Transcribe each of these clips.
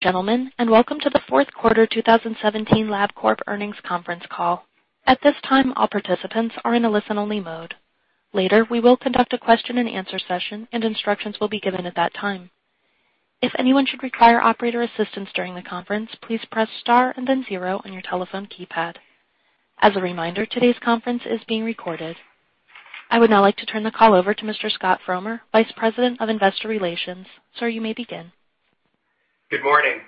Gentlemen, and welcome to the Fourth Quarter 2017 Labcorp Earnings Conference Call. At this time, all participants are in a listen-only mode. Later, we will conduct a question-and-answer session, and instructions will be given at that time. If anyone should require operator assistance during the conference, please press star and then zero on your telephone keypad. As a reminder, today's conference is being recorded. I would now like to turn the call over to Mr. Scott Frommer, Vice President of Investor Relations. Sir, you may begin. Good morning,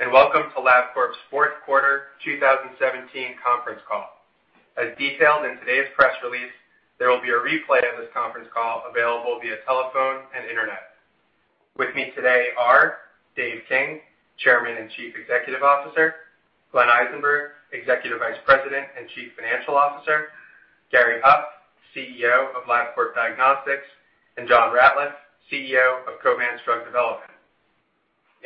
and welcome to Labcorp's Fourth Quarter 2017 Conference Call. As detailed in today's press release, there will be a replay of this conference call available via telephone and internet. With me today are Dave King, Chairman and Chief Executive Officer; Glenn Eisenberg, Executive Vice President and Chief Financial Officer; Gary Huff, CEO of Labcorp Diagnostics; and John Ratliff, CEO of Covance Drug Development.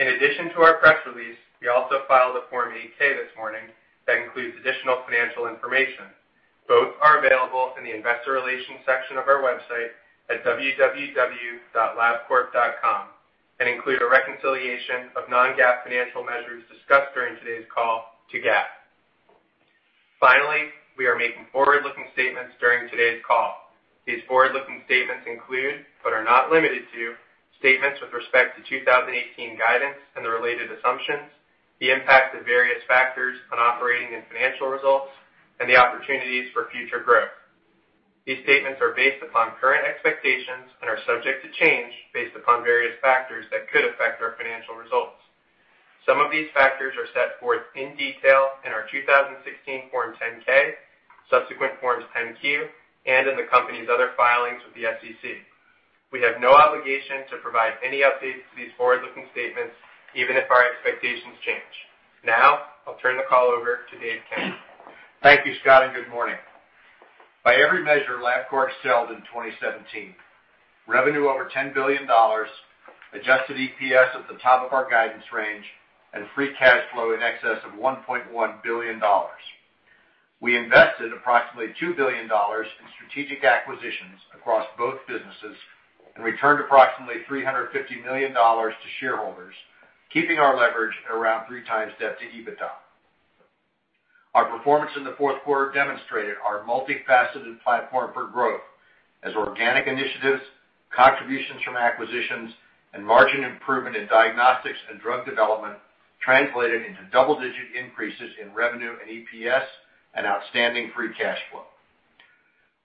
In addition to our press release, we also filed a Form 8-K this morning that includes additional financial information. Both are available in the Investor Relations section of our website at www.labcorp.com and include a reconciliation of non-GAAP financial measures discussed during today's call to GAAP. Finally, we are making forward-looking statements during today's call. These forward-looking statements include, but are not limited to, statements with respect to 2018 guidance and the related assumptions, the impact of various factors on operating and financial results, and the opportunities for future growth. These statements are based upon current expectations and are subject to change based upon various factors that could affect our financial results. Some of these factors are set forth in detail in our 2016 Form 10-K, subsequent Forms 10-Q, and in the company's other filings with the SEC. We have no obligation to provide any updates to these forward-looking statements, even if our expectations change. Now, I'll turn the call over to Dave King. Thank you, Scott, and good morning. By every measure, Labcorp excelled in 2017: revenue over $10 billion, adjusted EPS at the top of our guidance range, and free cash flow in excess of $1.1 billion. We invested approximately $2 billion in strategic acquisitions across both businesses and returned approximately $350 million to shareholders, keeping our leverage at around three times debt to EBITDA. Our performance in the fourth quarter demonstrated our multifaceted platform for growth, as organic initiatives, contributions from acquisitions, and margin improvement in diagnostics and drug development translated into double-digit increases in revenue and EPS and outstanding free cash flow.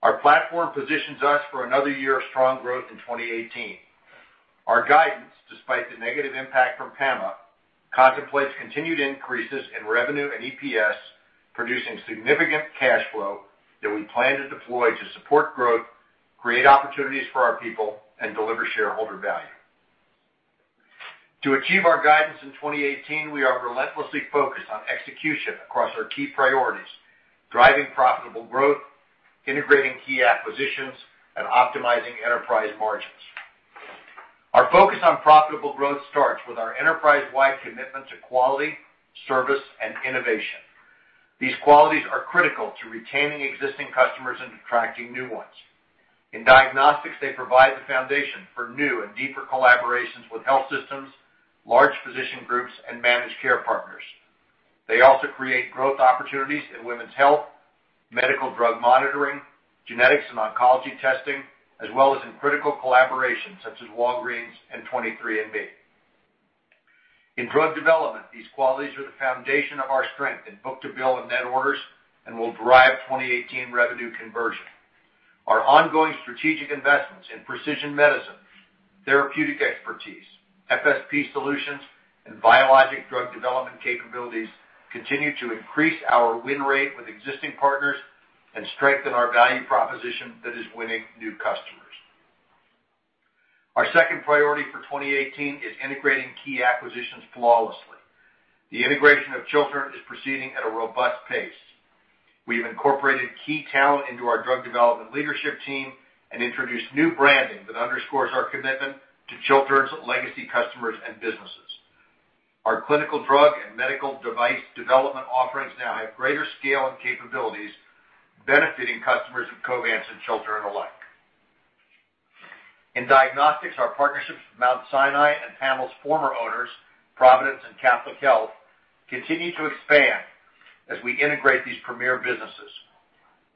Our platform positions us for another year of strong growth in 2018. Our guidance, despite the negative impact from PAMA, contemplates continued increases in revenue and EPS, producing significant cash flow that we plan to deploy to support growth, create opportunities for our people, and deliver shareholder value. To achieve our guidance in 2018, we are relentlessly focused on execution across our key priorities: driving profitable growth, integrating key acquisitions, and optimizing enterprise margins. Our focus on profitable growth starts with our enterprise-wide commitment to quality, service, and innovation. These qualities are critical to retaining existing customers and attracting new ones. In diagnostics, they provide the foundation for new and deeper collaborations with health systems, large physician groups, and managed care partners. They also create growth opportunities in women's health, medical drug monitoring, genetics and oncology testing, as well as in critical collaborations such as Walgreens and 23andMe. In drug development, these qualities are the foundation of our strength in book-to-bill and net orders and will drive 2018 revenue conversion. Our ongoing strategic investments in precision medicine, therapeutic expertise, FSP solutions, and biologic drug development capabilities continue to increase our win rate with existing partners and strengthen our value proposition that is winning new customers. Our second priority for 2018 is integrating key acquisitions flawlessly. The integration of Chiltern is proceeding at a robust pace. We have incorporated key talent into our drug development leadership team and introduced new branding that underscores our commitment to Chiltern's legacy customers and businesses. Our clinical drug and medical device development offerings now have greater scale and capabilities, benefiting customers of Covance and Chiltern alike. In diagnostics, our partnerships with Mount Sinai and Covance's former owners, Providence and Catholic Health, continue to expand as we integrate these premier businesses.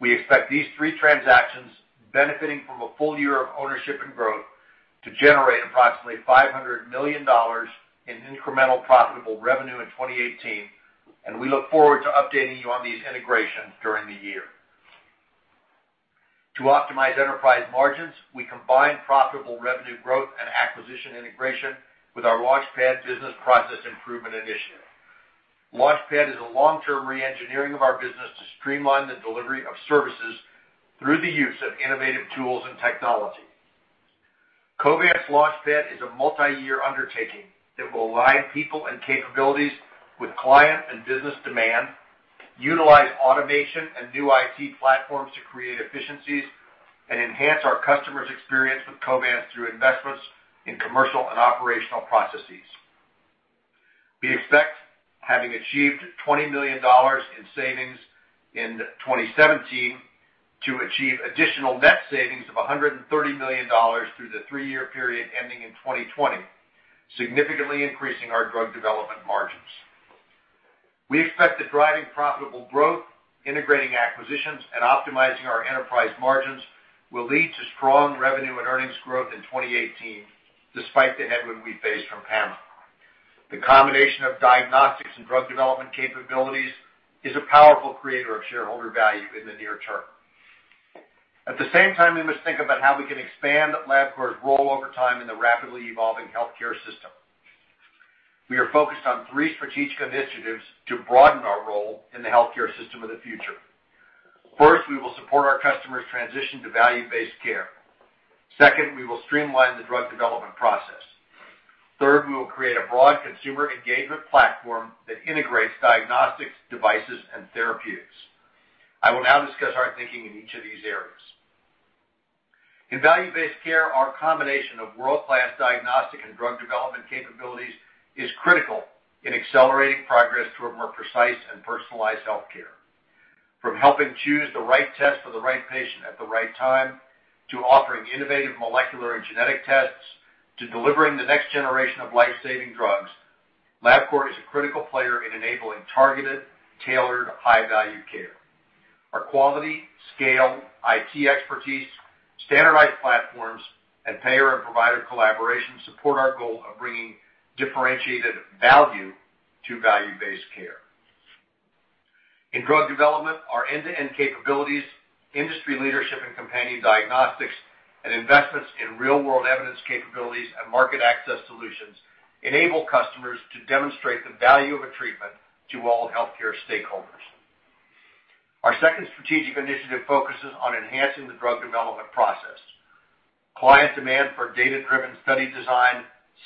We expect these three transactions, benefiting from a full year of ownership and growth, to generate approximately $500 million in incremental profitable revenue in 2018, and we look forward to updating you on these integrations during the year. To optimize enterprise margins, we combined profitable revenue growth and acquisition integration with our Launchpad business process improvement initiative. Launchpad is a long-term re-engineering of our business to streamline the delivery of services through the use of innovative tools and technology. Covance's Launchpad is a multi-year undertaking that will align people and capabilities with client and business demand, utilize automation and new IT platforms to create efficiencies, and enhance our customers' experience with Covance through investments in commercial and operational processes. We expect, having achieved $20 million in savings in 2017, to achieve additional net savings of $130 million through the three-year period ending in 2020, significantly increasing our drug development margins. We expect that driving profitable growth, integrating acquisitions, and optimizing our enterprise margins will lead to strong revenue and earnings growth in 2018, despite the headwind we faced from PAMA. The combination of diagnostics and drug development capabilities is a powerful creator of shareholder value in the near term. At the same time, we must think about how we can expand Labcorp's role over time in the rapidly evolving healthcare system. We are focused on three strategic initiatives to broaden our role in the healthcare system of the future. First, we will support our customers' transition to value-based care. Second, we will streamline the drug development process. Third, we will create a broad consumer engagement platform that integrates diagnostics, devices, and therapeutics. I will now discuss our thinking in each of these areas. In value-based care, our combination of world-class diagnostic and drug development capabilities is critical in accelerating progress toward more precise and personalized healthcare. From helping choose the right test for the right patient at the right time, to offering innovative molecular and genetic tests, to delivering the next generation of life-saving drugs, Labcorp is a critical player in enabling targeted, tailored, high-value care. Our quality, scale, IT expertise, standardized platforms, and payer and provider collaboration support our goal of bringing differentiated value to value-based care. In drug development, our end-to-end capabilities, industry leadership, and companion diagnostics, and investments in real-world evidence capabilities and market access solutions enable customers to demonstrate the value of a treatment to all healthcare stakeholders. Our second strategic initiative focuses on enhancing the drug development process. Client demand for data-driven study design,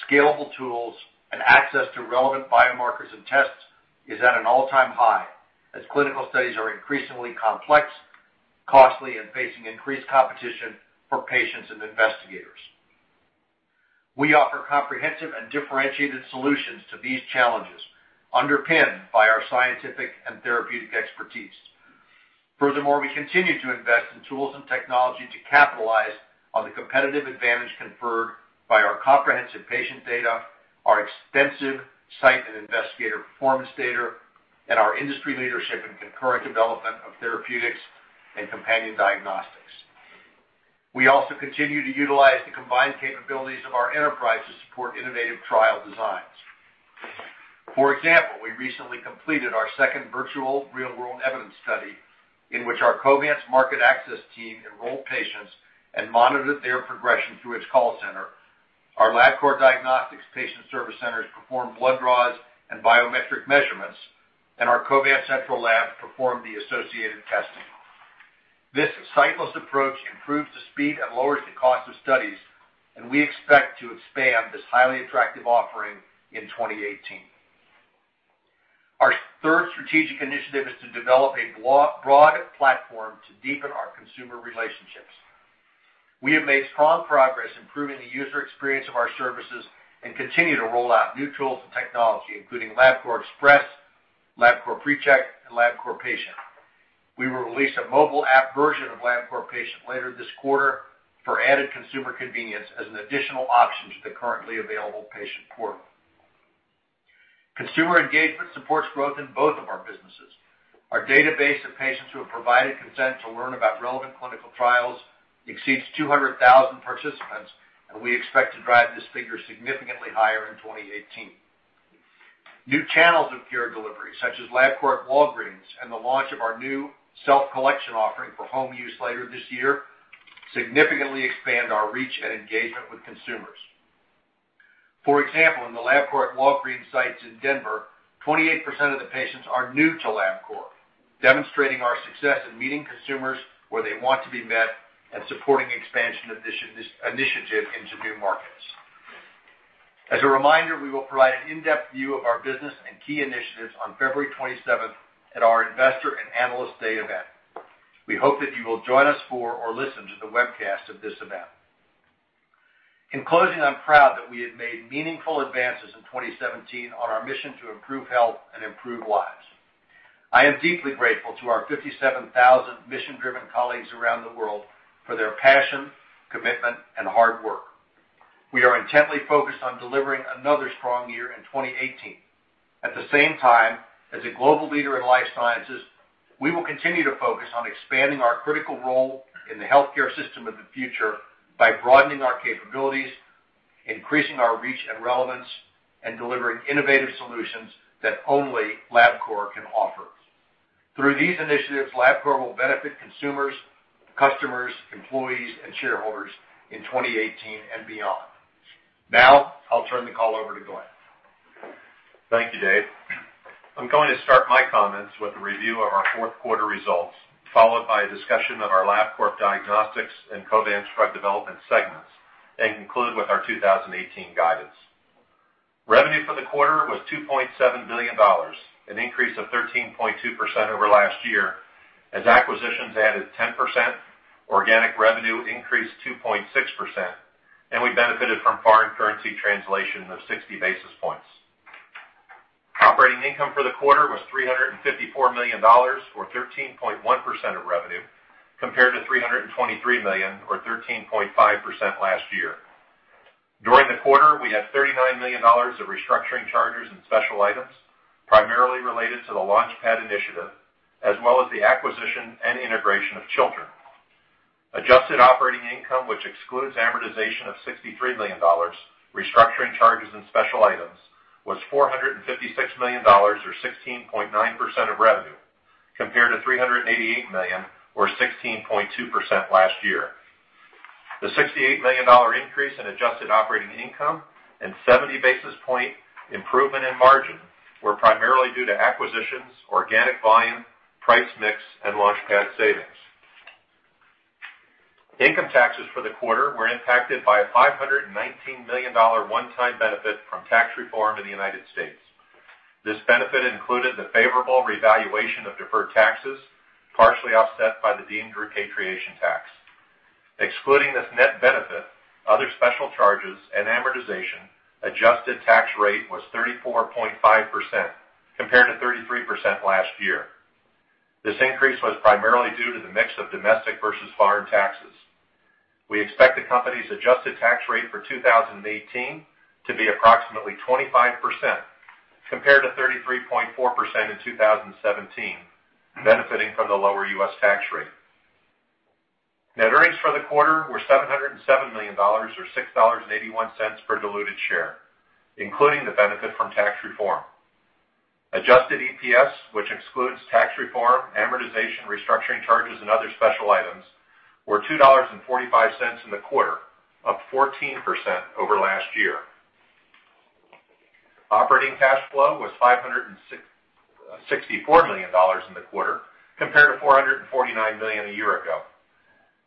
scalable tools, and access to relevant biomarkers and tests is at an all-time high, as clinical studies are increasingly complex, costly, and facing increased competition for patients and investigators. We offer comprehensive and differentiated solutions to these challenges, underpinned by our scientific and therapeutic expertise. Furthermore, we continue to invest in tools and technology to capitalize on the competitive advantage conferred by our comprehensive patient data, our extensive site and investigator performance data, and our industry leadership in concurrent development of therapeutics and companion diagnostics. We also continue to utilize the combined capabilities of our enterprise to support innovative trial designs. For example, we recently completed our second virtual real-world evidence study in which our Covance market access team enrolled patients and monitored their progression through its call center. Our Labcorp Diagnostics patient service centers performed blood draws and biometric measurements, and our Covance Central Lab performed the associated testing. This sightless approach improves the speed and lowers the cost of studies, and we expect to expand this highly attractive offering in 2018. Our third strategic initiative is to develop a broad platform to deepen our consumer relationships. We have made strong progress improving the user experience of our services and continue to roll out new tools and technology, including Labcorp Express, Labcorp PreCheck, and Labcorp Patient. We will release a mobile app version of Labcorp Patient later this quarter for added consumer convenience as an additional option to the currently available patient portal. Consumer engagement supports growth in both of our businesses. Our database of patients who have provided consent to learn about relevant clinical trials exceeds 200,000 participants, and we expect to drive this figure significantly higher in 2018. New channels of care delivery, such as Labcorp Walgreens and the launch of our new self-collection offering for home use later this year, significantly expand our reach and engagement with consumers. For example, in the Labcorp Walgreens sites in Denver, 28% of the patients are new to Labcorp, demonstrating our success in meeting consumers where they want to be met and supporting expansion initiatives into new markets. As a reminder, we will provide an in-depth view of our business and key initiatives on February 27th at our Investor and Analyst Day event. We hope that you will join us for or listen to the webcast of this event. In closing, I'm proud that we have made meaningful advances in 2017 on our mission to improve health and improve lives. I am deeply grateful to our 57,000 mission-driven colleagues around the world for their passion, commitment, and hard work. We are intently focused on delivering another strong year in 2018. At the same time, as a global leader in life sciences, we will continue to focus on expanding our critical role in the healthcare system of the future by broadening our capabilities, increasing our reach and relevance, and delivering innovative solutions that only Labcorp can offer. Through these initiatives, Labcorp will benefit consumers, customers, employees, and shareholders in 2018 and beyond. Now, I'll turn the call over to Glenn. Thank you, Dave. I'm going to start my comments with a review of our fourth quarter results, followed by a discussion of our Labcorp Diagnostics and Covance Drug Development segments, and conclude with our 2018 guidance. Revenue for the quarter was $2.7 billion, an increase of 13.2% over last year, as acquisitions added 10%, organic revenue increased 2.6%, and we benefited from foreign currency translation of 60 basis points. Operating income for the quarter was $354 million, or 13.1% of revenue, compared to $323 million, or 13.5% last year. During the quarter, we had $39 million of restructuring charges and special items, primarily related to the Launchpad initiative, as well as the acquisition and integration of Chiltern. Adjusted operating income, which excludes amortization of $63 million, restructuring charges and special items, was $456 million, or 16.9% of revenue, compared to $388 million, or 16.2% last year. The $68 million increase in adjusted operating income and 70 basis point improvement in margin were primarily due to acquisitions, organic volume, price mix, and Launchpad savings. Income taxes for the quarter were impacted by a $519 million one-time benefit from tax reform in the U.S. This benefit included the favorable revaluation of deferred taxes, partially offset by the deemed repatriation tax. Excluding this net benefit, other special charges and amortization, adjusted tax rate was 34.5%, compared to 33% last year. This increase was primarily due to the mix of domestic versus foreign taxes. We expect the company's adjusted tax rate for 2018 to be approximately 25%, compared to 33.4% in 2017, benefiting from the lower U.S. tax rate. Net earnings for the quarter were $707 million, or $6.81 per diluted share, including the benefit from tax reform. Adjusted EPS, which excludes tax reform, amortization, restructuring charges, and other special items, were $2.45 in the quarter, up 14% over last year. Operating cash flow was $564 million in the quarter, compared to $449 million a year ago.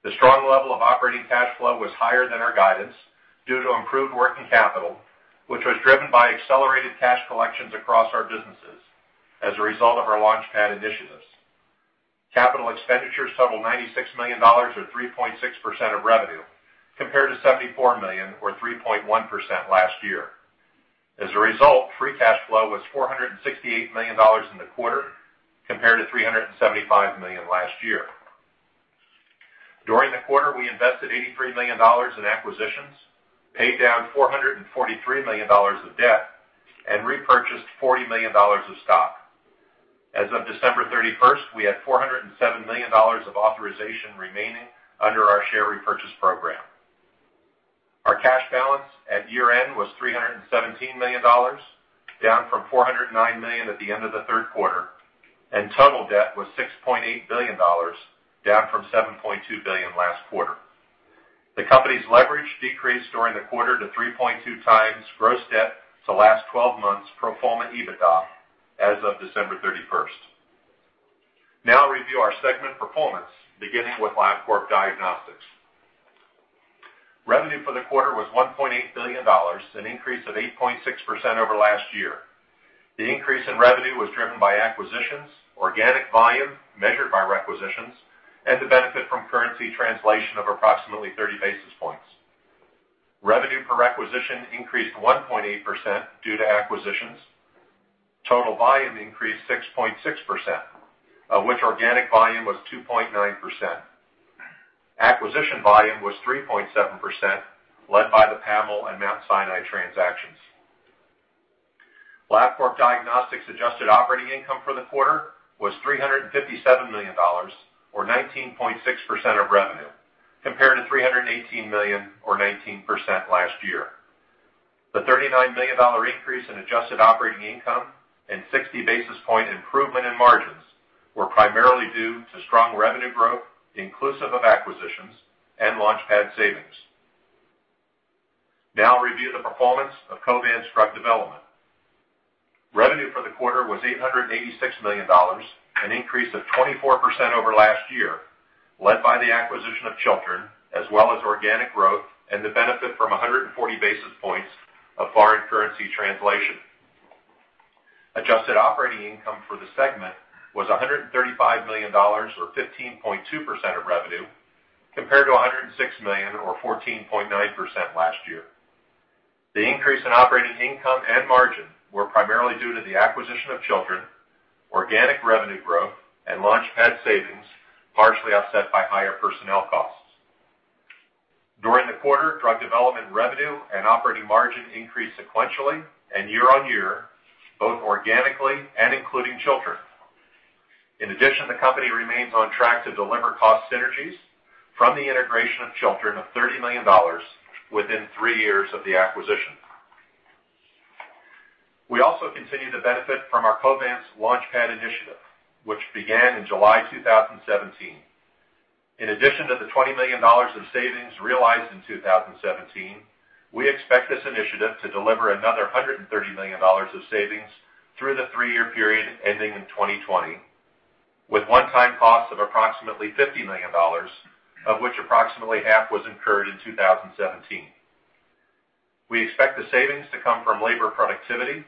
The strong level of operating cash flow was higher than our guidance due to improved working capital, which was driven by accelerated cash collections across our businesses as a result of our Launchpad initiatives. Capital expenditures totaled $96 million, or 3.6% of revenue, compared to $74 million, or 3.1% last year. As a result, free cash flow was $468 million in the quarter, compared to $375 million last year. During the quarter, we invested $83 million in acquisitions, paid down $443 million of debt, and repurchased $40 million of stock. As of December 31st we had $407 million of authorization remaining under our share repurchase program. Our cash balance at year-end was $317 million, down from $409 million at the end of the third quarter, and total debt was $6.8 billion, down from $7.2 billion last quarter. The company's leverage decreased during the quarter to 3.2 times gross debt to last 12 months pro forma EBITDA as of December 31. Now, I'll review our segment performance, beginning with Labcorp Diagnostics. Revenue for the quarter was $1.8 billion, an increase of 8.6% over last year. The increase in revenue was driven by acquisitions, organic volume measured by requisitions, and the benefit from currency translation of approximately 30 basis points. Revenue per requisition increased 1.8% due to acquisitions. Total volume increased 6.6%, of which organic volume was 2.9%. Acquisition volume was 3.7%, led by the PAML and Mount Sinai transactions. Labcorp Diagnostics' adjusted operating income for the quarter was $357 million, or 19.6% of revenue, compared to $318 million, or 19% last year. The $39 million increase in adjusted operating income and 60 basis point improvement in margins were primarily due to strong revenue growth, inclusive of acquisitions and Launchpad savings. Now, I'll review the performance of Covance's drug development. Revenue for the quarter was $886 million, an increase of 24% over last year, led by the acquisition of Chiltern, as well as organic growth and the benefit from 140 basis points of foreign currency translation. Adjusted operating income for the segment was $135 million, or 15.2% of revenue, compared to $106 million, or 14.9% last year. The increase in operating income and margin was primarily due to the acquisition of Chiltern, organic revenue growth, and Launchpad savings, partially offset by higher personnel costs. During the quarter, drug development revenue and operating margin increased sequentially and year-on-year, both organically and including Chiltern. In addition, the company remains on track to deliver cost synergies from the integration of Chiltern of $30 million within three years of the acquisition. We also continue to benefit from our Covance Launchpad initiative, which began in July 2017. In addition to the $20 million of savings realized in 2017, we expect this initiative to deliver another $130 million of savings through the three-year period ending in 2020, with one-time costs of approximately $50 million, of which approximately half was incurred in 2017. We expect the savings to come from labor productivity,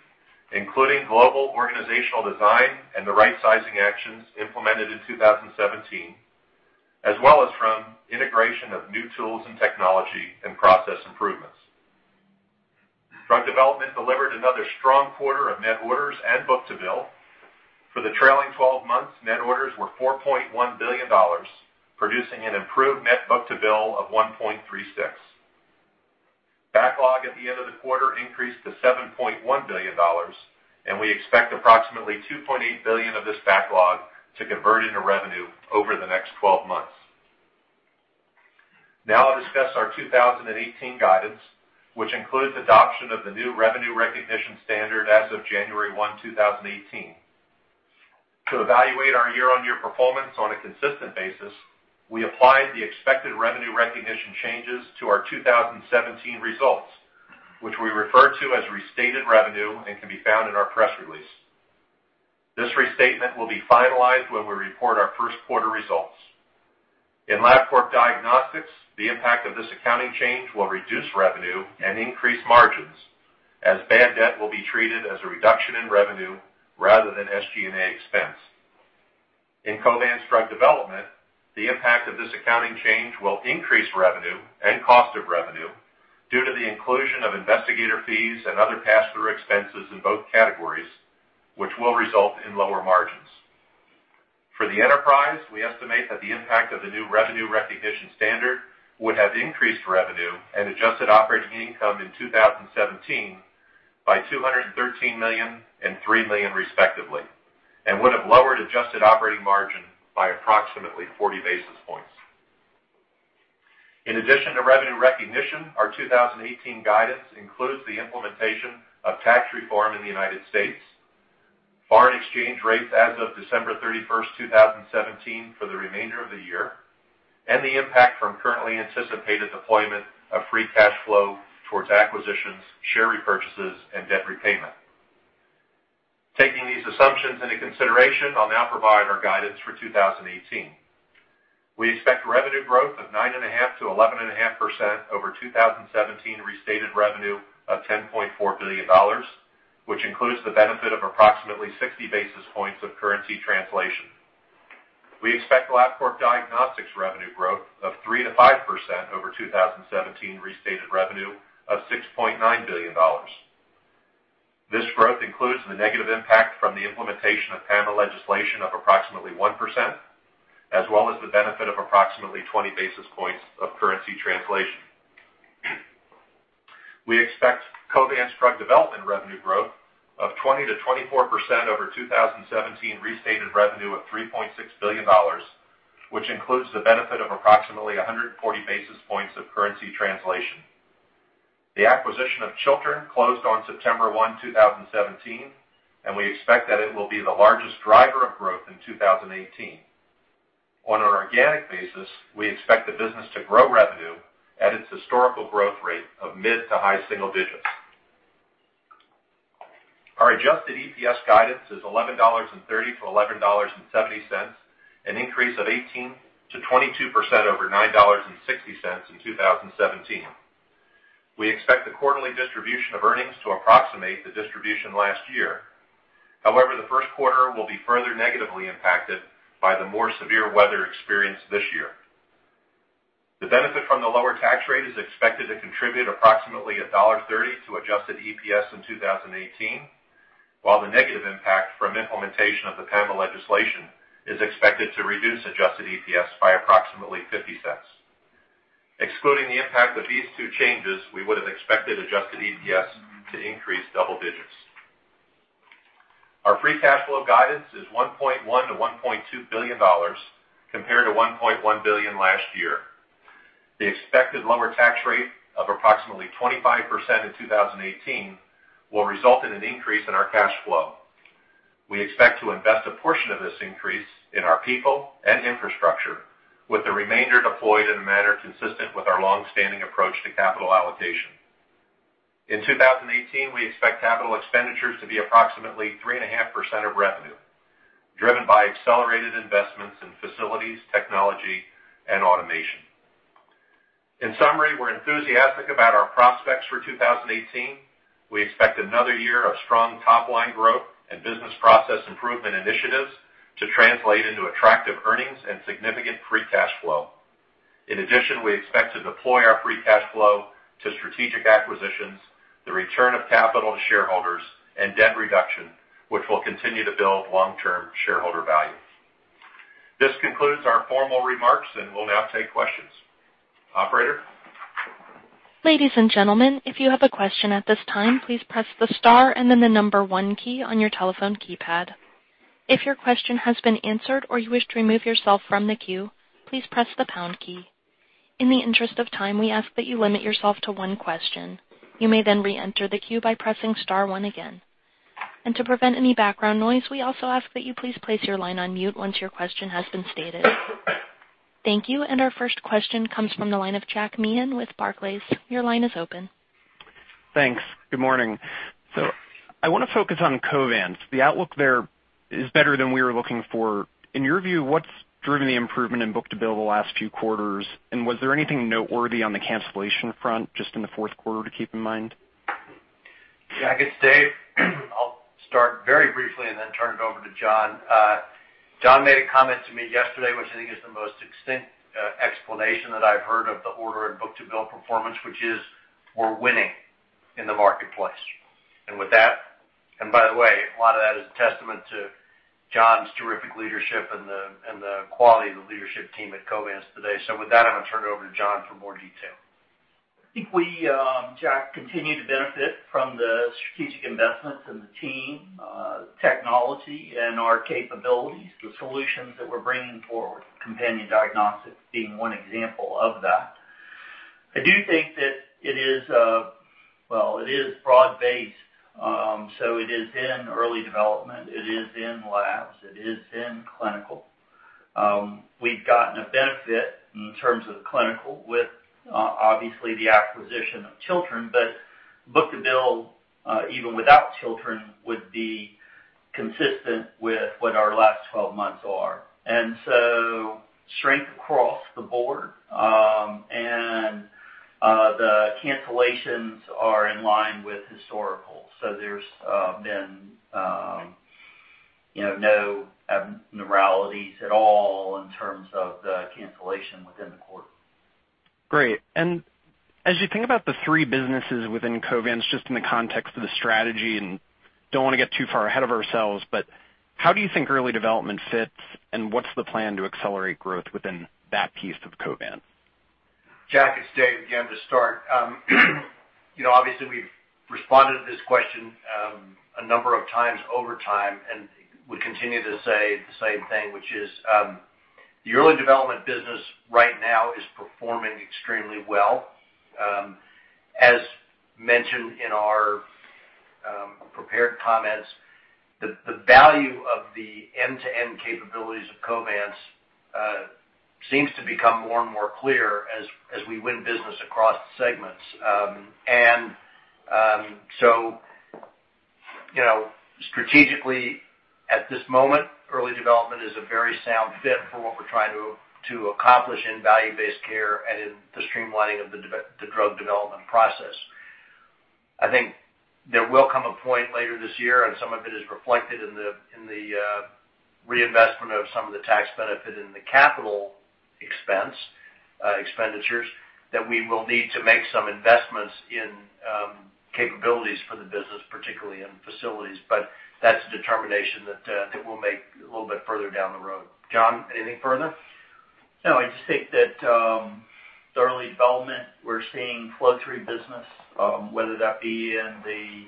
including global organizational design and the right-sizing actions implemented in 2017, as well as from integration of new tools and technology and process improvements. Drug development delivered another strong quarter of net orders and book-to-bill. For the trailing 12 months, net orders were $4.1 billion, producing an improved net book-to-bill of 1.36. Backlog at the end of the quarter increased to $7.1 billion, and we expect approximately $2.8 billion of this backlog to convert into revenue over the next 12 months. Now, I'll discuss our 2018 guidance, which includes adoption of the new revenue recognition standard as of January 1, 2018. To evaluate our year-on-year performance on a consistent basis, we applied the expected revenue recognition changes to our 2017 results, which we refer to as restated revenue and can be found in our press release. This restatement will be finalized when we report our first quarter results. In Labcorp Diagnostics, the impact of this accounting change will reduce revenue and increase margins, as bad debt will be treated as a reduction in revenue rather than SG&A expense. In Covance's Drug Development, the impact of this accounting change will increase revenue and cost of revenue due to the inclusion of investigator fees and other pass-through expenses in both categories, which will result in lower margins. For the enterprise, we estimate that the impact of the new revenue recognition standard would have increased revenue and adjusted operating income in 2017 by $213 million and $3 million, respectively, and would have lowered adjusted operating margin by approximately 40 basis points. In addition to revenue recognition, our 2018 guidance includes the implementation of tax reform in the United States, foreign exchange rates as of December 31st 2017, for the remainder of the year, and the impact from currently anticipated deployment of free cash flow towards acquisitions, share repurchases, and debt repayment. Taking these assumptions into consideration, I'll now provide our guidance for 2018. We expect revenue growth of 9.5-11.5% over 2017 restated revenue of $10.4 billion, which includes the benefit of approximately 60 basis points of currency translation. We expect Labcorp Diagnostics' revenue growth of 3-5% over 2017 restated revenue of $6.9 billion. This growth includes the negative impact from the implementation of PAMA legislation of approximately 1%, as well as the benefit of approximately 20 basis points of currency translation. We expect Covance's drug development revenue growth of 20-24% over 2017 restated revenue of $3.6 billion, which includes the benefit of approximately 140 basis points of currency translation. The acquisition of Chiltern closed on September 1, 2017, and we expect that it will be the largest driver of growth in 2018. On an organic basis, we expect the business to grow revenue at its historical growth rate of mid to high single digits. Our adjusted EPS guidance is $11.30-$11.70, an increase of 18%-22% over $9.60 in 2017. We expect the quarterly distribution of earnings to approximate the distribution last year. However, the first quarter will be further negatively impacted by the more severe weather experienced this year. The benefit from the lower tax rate is expected to contribute approximately $1.30 to adjusted EPS in 2018, while the negative impact from implementation of the PAMA legislation is expected to reduce adjusted EPS by approximately $0.50. Excluding the impact of these two changes, we would have expected adjusted EPS to increase double digits. Our free cash flow guidance is $1.1 billion-$1.2 billion, compared to $1.1 billion last year. The expected lower tax rate of approximately 25% in 2018 will result in an increase in our cash flow. We expect to invest a portion of this increase in our people and infrastructure, with the remainder deployed in a manner consistent with our long-standing approach to capital allocation. In 2018, we expect capital expenditures to be approximately 3.5% of revenue, driven by accelerated investments in facilities, technology, and automation. In summary, we're enthusiastic about our prospects for 2018. We expect another year of strong top-line growth and business process improvement initiatives to translate into attractive earnings and significant free cash flow. In addition, we expect to deploy our free cash flow to strategic acquisitions, the return of capital to shareholders, and debt reduction, which will continue to build long-term shareholder value. This concludes our formal remarks, and we'll now take questions. Operator. Ladies and gentlemen, if you have a question at this time, please press the star and then the number one key on your telephone keypad. If your question has been answered or you wish to remove yourself from the queue, please press the pound key. In the interest of time, we ask that you limit yourself to one question. You may then re-enter the queue by pressing star one again. To prevent any background noise, we also ask that you please place your line on mute once your question has been stated. Thank you. Our first question comes from the line of Jack Meehan with Barclays. Your line is open. Thanks. Good morning. I want to focus on Covance. The outlook there is better than we were looking for. In your view, what's driven the improvement in book-to-bill the last few quarters? Was there anything noteworthy on the cancellation front, just in the fourth quarter, to keep in mind? Yeah, I can stay. I'll start very briefly and then turn it over to John. John made a comment to me yesterday, which I think is the most succinct explanation that I've heard of the order and book-to-bill performance, which is we're winning in the marketplace. By the way, a lot of that is a testament to John's terrific leadership and the quality of the leadership team at Covance today. With that, I'm going to turn it over to John for more detail. I think we, Jack, continue to benefit from the strategic investments in the team, technology, and our capabilities, the solutions that we're bringing forward, Companion Diagnostics being one example of that. I do think that it is, well, it is broad-based. It is in early development. It is in labs. It is in clinical. We've gotten a benefit in terms of the clinical with, obviously, the acquisition of Chiltern, but book-to-bill, even without Chiltern, would be consistent with what our last 12 months are. Strength across the board and the cancellations are in line with historical. There's been no abnormalities at all in terms of the cancellation within the quarter. Great. As you think about the three businesses within Covance, just in the context of the strategy, and don't want to get too far ahead of ourselves, how do you think early development fits and what's the plan to accelerate growth within that piece of Covance? Jack can stay again to start. Obviously, we've responded to this question a number of times over time and would continue to say the same thing, which is the early development business right now is performing extremely well. As mentioned in our prepared comments, the value of the end-to-end capabilities of Covance seems to become more and more clear as we win business across segments. Strategically, at this moment, early development is a very sound fit for what we're trying to accomplish in value-based care and in the streamlining of the drug development process. I think there will come a point later this year, and some of it is reflected in the reinvestment of some of the tax benefit and the capital expenditures, that we will need to make some investments in capabilities for the business, particularly in facilities. That is a determination that we'll make a little bit further down the road. John, anything further? No, I just think that the early development we're seeing flow through business, whether that be in the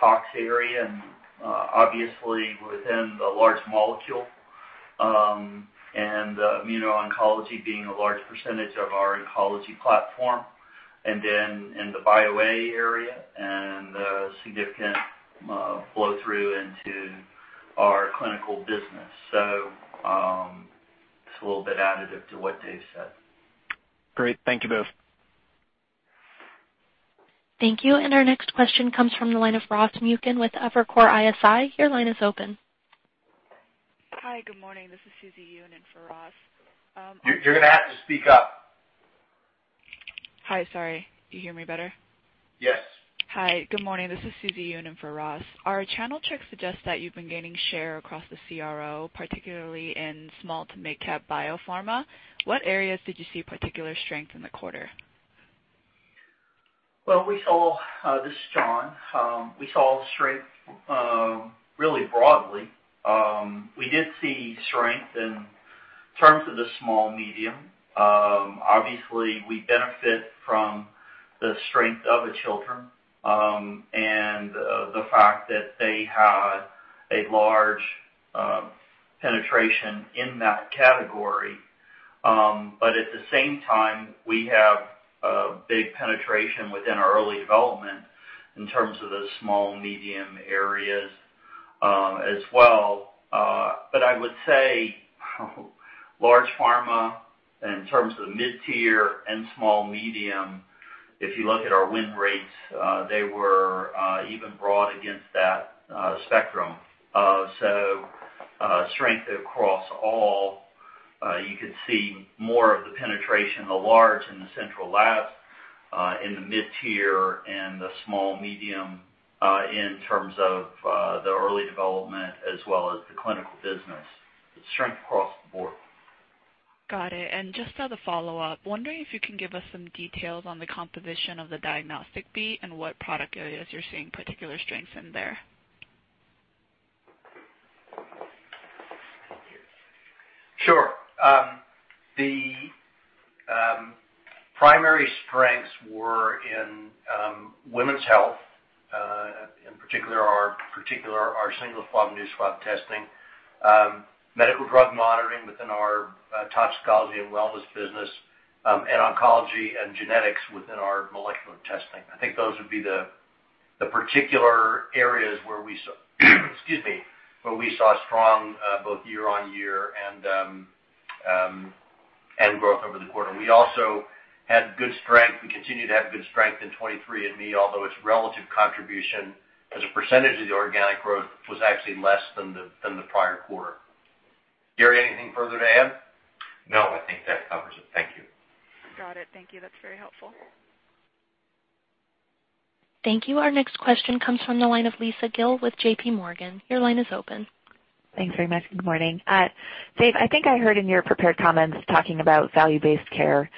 tox area and obviously within the large molecule and immuno-oncology being a large percentage of our oncology platform, and then in the bio-A area and significant flow through into our clinical business. So it's a little bit additive to what they've said. Great. Thank you both. Thank you. Our next question comes from the line of Ross Muken with Evercore ISI. Your line is open. Hi, good morning. This is Suzie Yoon in for Ross. You're going to have to speak up. Hi, sorry. You hear me better? Yes. Hi, good morning. This is Suzie Yoon in for Ross. Our channel checks suggest that you've been gaining share across the CRO, particularly in small to mid-cap biopharma. What areas did you see particular strength in the quarter? This is John. We saw strength really broadly. We did see strength in terms of the small-medium. Obviously, we benefit from the strength of Chiltern and the fact that they had a large penetration in that category. At the same time, we have a big penetration within our early development in terms of the small-medium areas as well. I would say large pharma in terms of the mid-tier and small-medium, if you look at our win rates, they were even broad against that spectrum. Strength across all, you could see more of the penetration in the large and the central labs, in the mid-tier and the small-medium in terms of the early development as well as the clinical business. Strength across the board. Got it. Just as a follow-up, wondering if you can give us some details on the composition of the diagnostic beat and what product areas you're seeing particular strengths in there. Sure. The primary strengths were in women's health, in particular our single-flob, new-flob testing, medical drug monitoring within our toxicology and wellness business, and oncology and genetics within our molecular testing. I think those would be the particular areas where we—excuse me—where we saw strong both year-on-year and growth over the quarter. We also had good strength. We continue to have good strength in 23andMe although its relative contribution as a percentage of the organic growth was actually less than the prior quarter. Gary, anything further to add? No, I think that covers it. Thank you. Got it. Thank you. That's very helpful. Thank you. Our next question comes from the line of Lisa Gill with J.P. Morgan. Your line is open. Thanks very much. Good morning. Dave, I think I heard in your prepared comments talking about value-based care.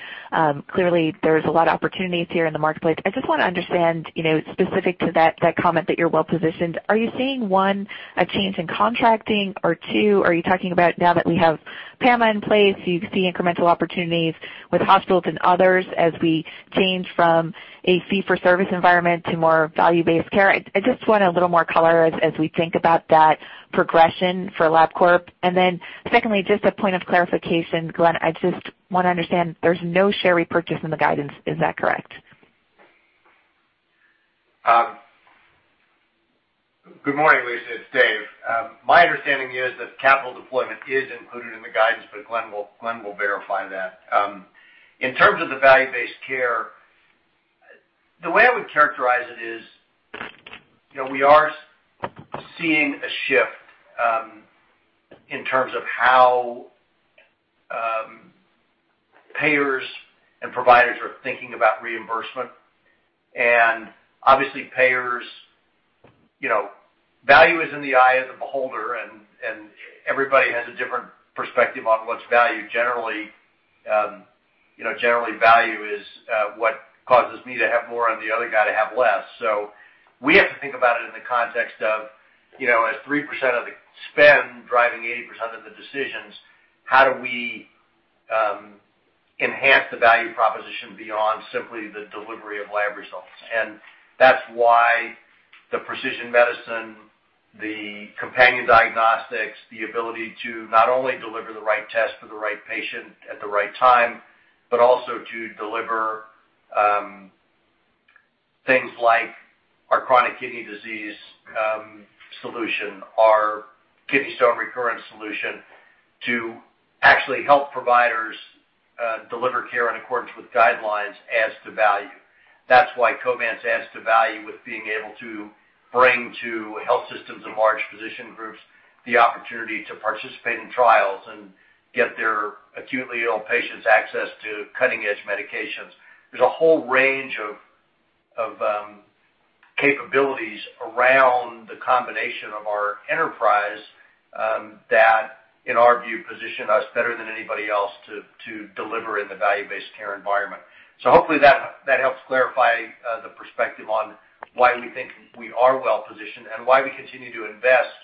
Clearly, there's a lot of opportunities here in the marketplace. I just want to understand specific to that comment that you're well-positioned. Are you seeing, one, a change in contracting, or two, are you talking about now that we have PAMA in place, you see incremental opportunities with hospitals and others as we change from a fee-for-service environment to more value-based care? I just want a little more color as we think about that progression for Labcorp. And then secondly, just a point of clarification, Glenn, I just want to understand there's no share repurchase in the guidance. Is that correct? Good morning, Lisa. It's Dave. My understanding is that capital deployment is included in the guidance, but Glenn will verify that. In terms of the value-based care, the way I would characterize it is we are seeing a shift in terms of how payers and providers are thinking about reimbursement. Obviously, payers, value is in the eye of the beholder, and everybody has a different perspective on what's value. Generally, value is what causes me to have more and the other guy to have less. We have to think about it in the context of, as 3% of the spend driving 80% of the decisions, how do we enhance the value proposition beyond simply the delivery of lab results? That is why the precision medicine, the Companion Diagnostics, the ability to not only deliver the right test for the right patient at the right time, but also to deliver things like our chronic kidney disease solution, our kidney stone recurrence solution, to actually help providers deliver care in accordance with guidelines adds to value. That is why Covance adds to value with being able to bring to health systems and large physician groups the opportunity to participate in trials and get their acutely ill patients access to cutting-edge medications. There is a whole range of capabilities around the combination of our enterprise that, in our view, position us better than anybody else to deliver in the value-based care environment. Hopefully, that helps clarify the perspective on why we think we are well-positioned and why we continue to invest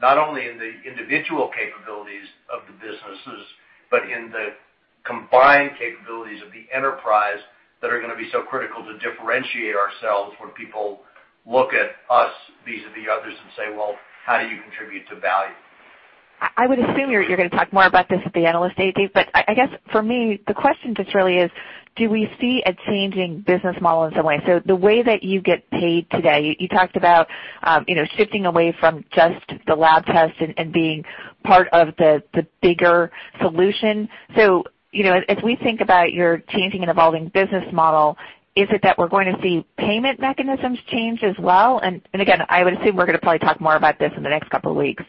not only in the individual capabilities of the businesses, but in the combined capabilities of the enterprise that are going to be so critical to differentiate ourselves when people look at us vis-à-vis others and say, "Well, how do you contribute to value?" I would assume you're going to talk more about this at the Analyst Day, Dave, but I guess for me, the question just really is, do we see a changing business model in some way? The way that you get paid today, you talked about shifting away from just the lab test and being part of the bigger solution. As we think about your changing and evolving business model, is it that we're going to see payment mechanisms change as well? I would assume we're going to probably talk more about this in the next couple of weeks.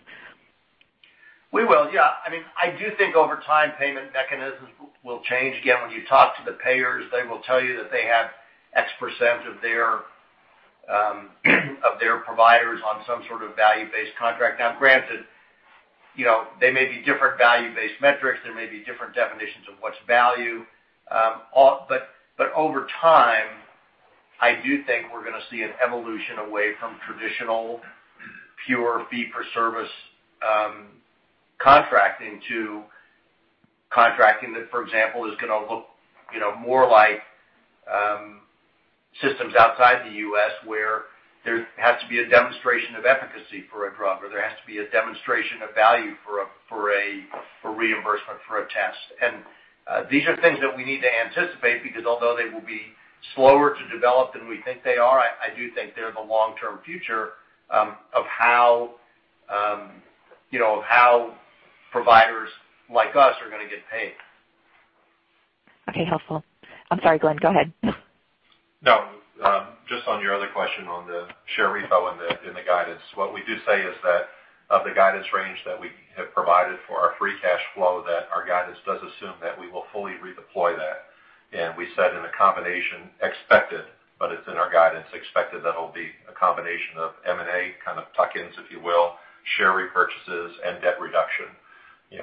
We will, yeah. I mean, I do think over time, payment mechanisms will change. Again, when you talk to the payers, they will tell you that they have X % of their providers on some sort of value-based contract. Now, granted, they may be different value-based metrics. There may be different definitions of what's value. Over time, I do think we're going to see an evolution away from traditional pure fee-for-service contracting to contracting that, for example, is going to look more like systems outside the U.S. where there has to be a demonstration of efficacy for a drug, or there has to be a demonstration of value for a reimbursement for a test. These are things that we need to anticipate because although they will be slower to develop than we think they are, I do think they're the long-term future of how providers like us are going to get paid. Okay, helpful. I'm sorry, Glenn. Go ahead. No, just on your other question on the share repo and the guidance. What we do say is that of the guidance range that we have provided for our free cash flow, our guidance does assume that we will fully redeploy that. We said in a combination expected, but it's in our guidance expected that it'll be a combination of M&A kind of tuck-ins, if you will, share repurchases, and debt reduction.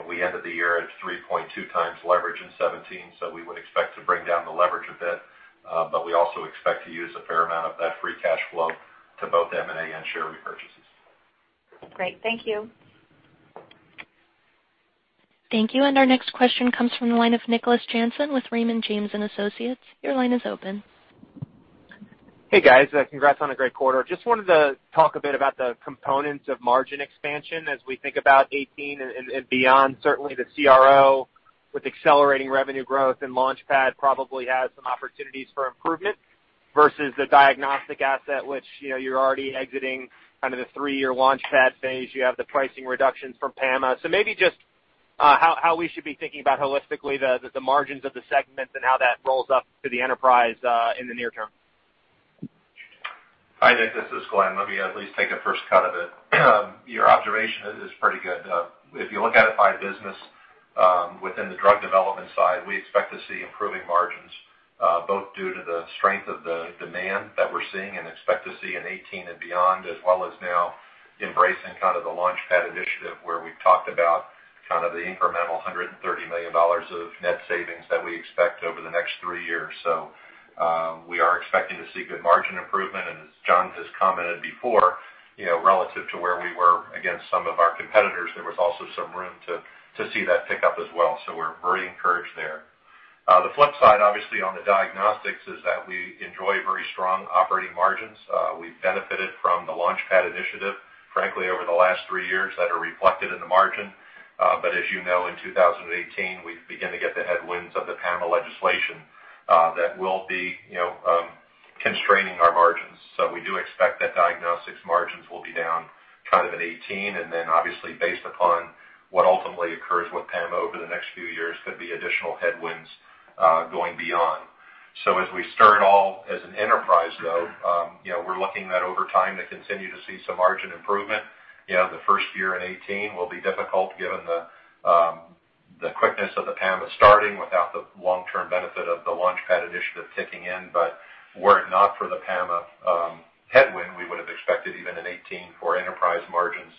We ended the year at 3.2 times leverage in 2017, so we would expect to bring down the leverage a bit. We also expect to use a fair amount of that free cash flow to both M&A and share repurchases. Great. Thank you. Thank you. Our next question comes from the line of Nicholas Jansen with Raymond James & Associates. Your line is open. Hey, guys. Congrats on a great quarter. Just wanted to talk a bit about the components of margin expansion as we think about 2018 and beyond. Certainly, the CRO with accelerating revenue growth and Launchpad probably has some opportunities for improvement versus the diagnostic asset, which you're already exiting kind of the three-year Launchpad phase. You have the pricing reductions from PAMA. Maybe just how we should be thinking about holistically the margins of the segments and how that rolls up to the enterprise in the near term. Hi, Nick. This is Glenn. Let me at least take a first cut of it. Your observation is pretty good. If you look at it by business within the drug development side, we expect to see improving margins, both due to the strength of the demand that we're seeing and expect to see in 2018 and beyond, as well as now embracing kind of the Launchpad initiative where we've talked about kind of the incremental $130 million of net savings that we expect over the next three years. We are expecting to see good margin improvement. As John has commented before, relative to where we were against some of our competitors, there was also some room to see that pickup as well. We are very encouraged there. The flip side, obviously, on the diagnostics is that we enjoy very strong operating margins. We've benefited from the Launchpad initiative, frankly, over the last three years that are reflected in the margin. As you know, in 2018, we began to get the headwinds of the PAMA legislation that will be constraining our margins. We do expect that diagnostics margins will be down kind of in 2018. Obviously, based upon what ultimately occurs with PAMA over the next few years, there could be additional headwinds going beyond. As we start all as an enterprise, though, we are looking at over time to continue to see some margin improvement. The first year in 2018 will be difficult given the quickness of the PAMA starting without the long-term benefit of the Launchpad initiative kicking in. Were it not for the PAMA headwind, we would have expected even in 2018 for enterprise margins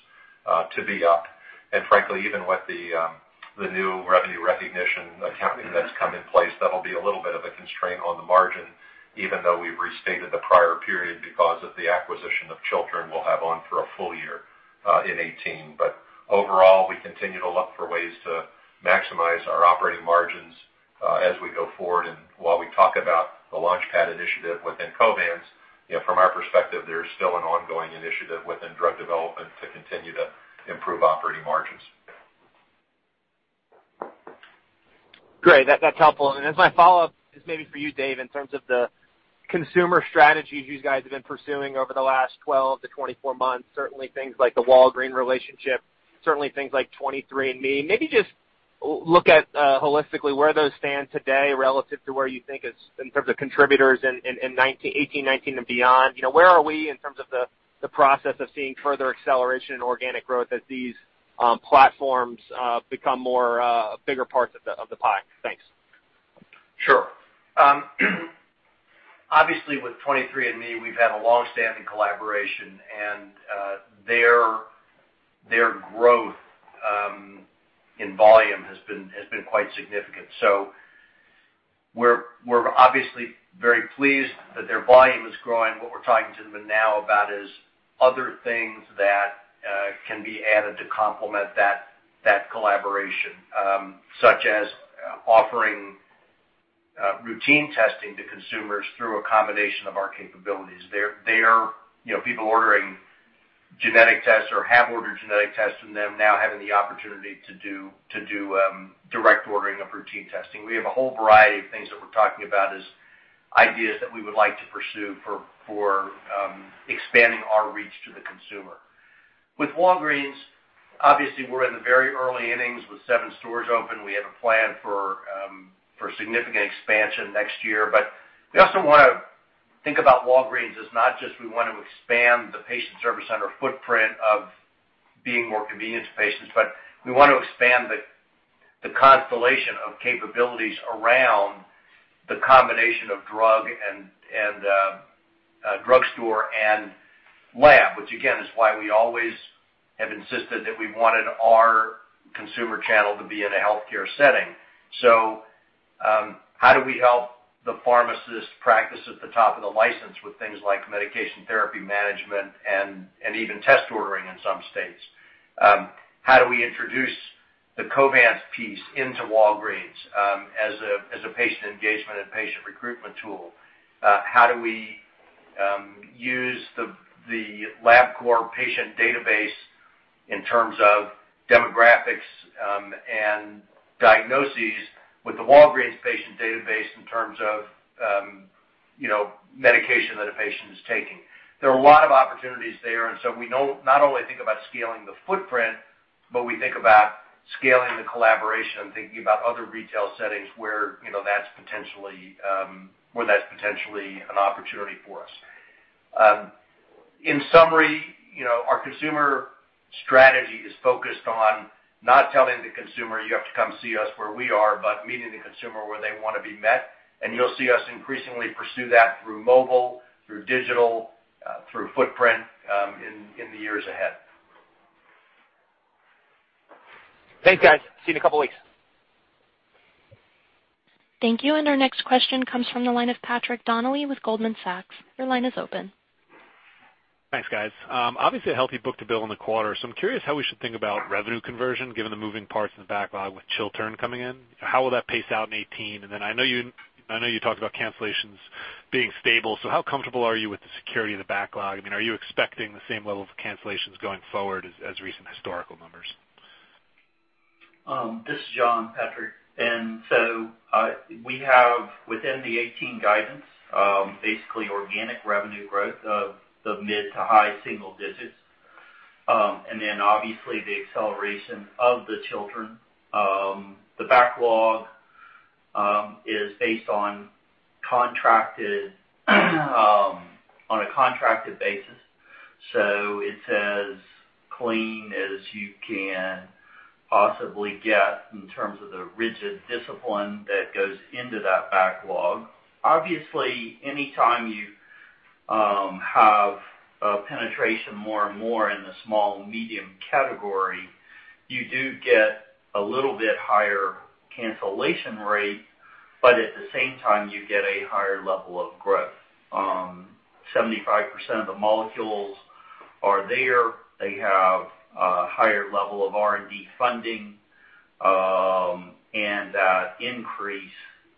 to be up. Frankly, even with the new revenue recognition accounting that's come in place, that'll be a little bit of a constraint on the margin, even though we've restated the prior period because of the acquisition of Chiltern we'll have on for a full year in 2018. Overall, we continue to look for ways to maximize our operating margins as we go forward. While we talk about the Launchpad initiative within Covance, from our perspective, there's still an ongoing initiative within drug development to continue to improve operating margins. Great. That's helpful. As my follow-up is maybe for you, Dave, in terms of the consumer strategies you guys have been pursuing over the last 12 to 24 months, certainly things like the Walgreens relationship, certainly things like 23andMe. Maybe just look at holistically where those stand today relative to where you think in terms of contributors in 2018, 2019, and beyond. Where are we in terms of the process of seeing further acceleration in organic growth as these platforms become bigger parts of the pie? Thanks. Sure. Obviously, with 23andMe, we've had a long-standing collaboration, and their growth in volume has been quite significant. So we're obviously very pleased that their volume is growing. What we're talking to them now about is other things that can be added to complement that collaboration, such as offering routine testing to consumers through a combination of our capabilities. There are people ordering genetic tests or have ordered genetic tests and then now having the opportunity to do direct ordering of routine testing. We have a whole variety of things that we're talking about as ideas that we would like to pursue for expanding our reach to the consumer. With Walgreens, obviously, we're in the very early innings with seven stores open. We have a plan for significant expansion next year. We also want to think about Walgreens as not just we want to expand the patient service center footprint of being more convenient to patients, but we want to expand the constellation of capabilities around the combination of drug and drugstore and lab, which again is why we always have insisted that we wanted our consumer channel to be in a healthcare setting. How do we help the pharmacist practice at the top of the license with things like medication therapy management and even test ordering in some states? How do we introduce the Covance piece into Walgreens as a patient engagement and patient recruitment tool? How do we use the Labcorp patient database in terms of demographics and diagnoses with the Walgreens patient database in terms of medication that a patient is taking? There are a lot of opportunities there. We not only think about scaling the footprint, but we think about scaling the collaboration and thinking about other retail settings where that's potentially an opportunity for us. In summary, our consumer strategy is focused on not telling the consumer, "You have to come see us where we are," but meeting the consumer where they want to be met. You'll see us increasingly pursue that through mobile, through digital, through footprint in the years ahead. Thanks, guys. See you in a couple of weeks. Thank you. Our next question comes from the line of Patrick Donnelly with Goldman Sachs. Your line is open. Thanks, guys. Obviously, a healthy book-to-bill in the quarter. I'm curious how we should think about revenue conversion given the moving parts in the backlog with Chiltern coming in. How will that pace out in 2018? I know you talked about cancellations being stable. How comfortable are you with the security of the backlog? I mean, are you expecting the same level of cancellations going forward as recent historical numbers? This is John, Patrick. We have, within the 2018 guidance, basically organic revenue growth of the mid to high single digits. Obviously, the acceleration of the Chiltern. The backlog is based on a contracted basis. It is as clean as you can possibly get in terms of the rigid discipline that goes into that backlog. Obviously, anytime you have a penetration more and more in the small-medium category, you do get a little bit higher cancellation rate, but at the same time, you get a higher level of growth. 75% of the molecules are there. They have a higher level of R&D funding. That increase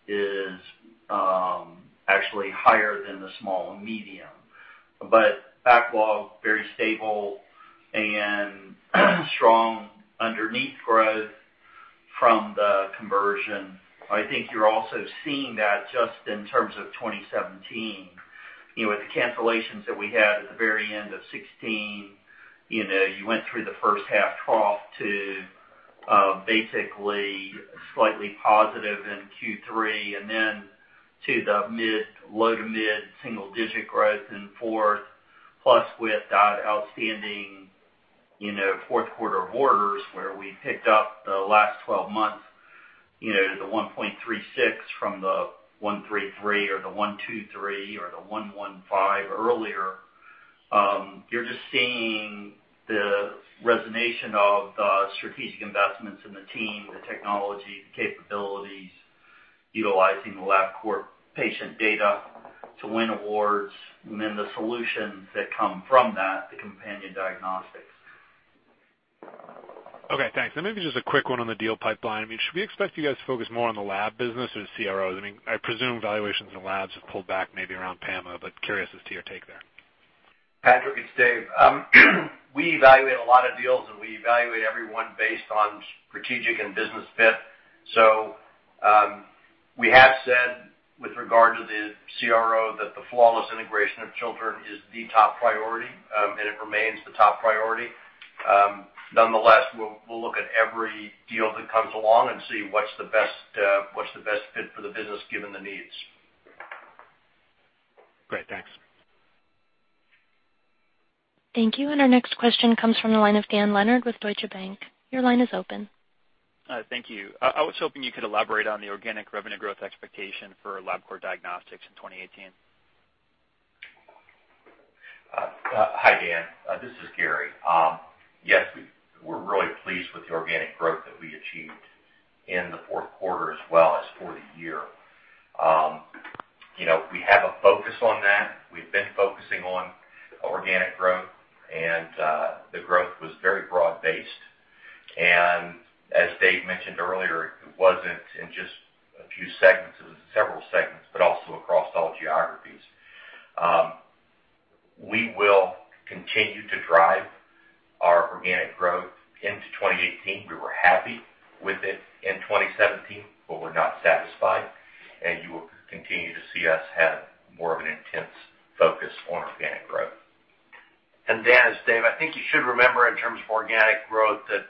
is actually higher than the small-medium. Backlog, very stable and strong underneath growth from the conversion. I think you are also seeing that just in terms of 2017. With the cancellations that we had at the very end of 2016, you went through the first half trough to basically slightly positive in Q3, and then to the low to mid single-digit growth in fourth, plus with that outstanding fourth quarter of orders where we picked up the last 12 months, the 1.36 from the 133 or the 123 or the 115 earlier. You're just seeing the resonation of the strategic investments in the team, the technology, the capabilities, utilizing the Labcorp Patient data to win awards, and then the solutions that come from that, the companion diagnostics. Okay. Thanks. And maybe just a quick one on the deal pipeline. I mean, should we expect you guys to focus more on the lab business or the CROs? I mean, I presume valuations in labs have pulled back maybe around PAMA, but curious as to your take there. Patrick, it's Dave. We evaluate a lot of deals, and we evaluate every one based on strategic and business fit. We have said with regard to the CRO that the flawless integration of Chiltern is the top priority, and it remains the top priority. Nonetheless, we'll look at every deal that comes along and see what's the best fit for the business given the needs. Great. Thanks. Thank you. Our next question comes from the line of Dan Leonard with Deutsche Bank. Your line is open. Thank you. I was hoping you could elaborate on the organic revenue growth expectation for Labcorp Diagnostics in 2018. Hi, Dan. This is Gary. Yes, we're really pleased with the organic growth that we achieved in the fourth quarter as well as for the year. We have a focus on that. We've been focusing on organic growth, and the growth was very broad-based. As Dave mentioned earlier, it wasn't in just a few segments; it was several segments, but also across all geographies. We will continue to drive our organic growth into 2018. We were happy with it in 2017, but we're not satisfied. You will continue to see us have more of an intense focus on organic growth. Dan, as Dave, I think you should remember in terms of organic growth that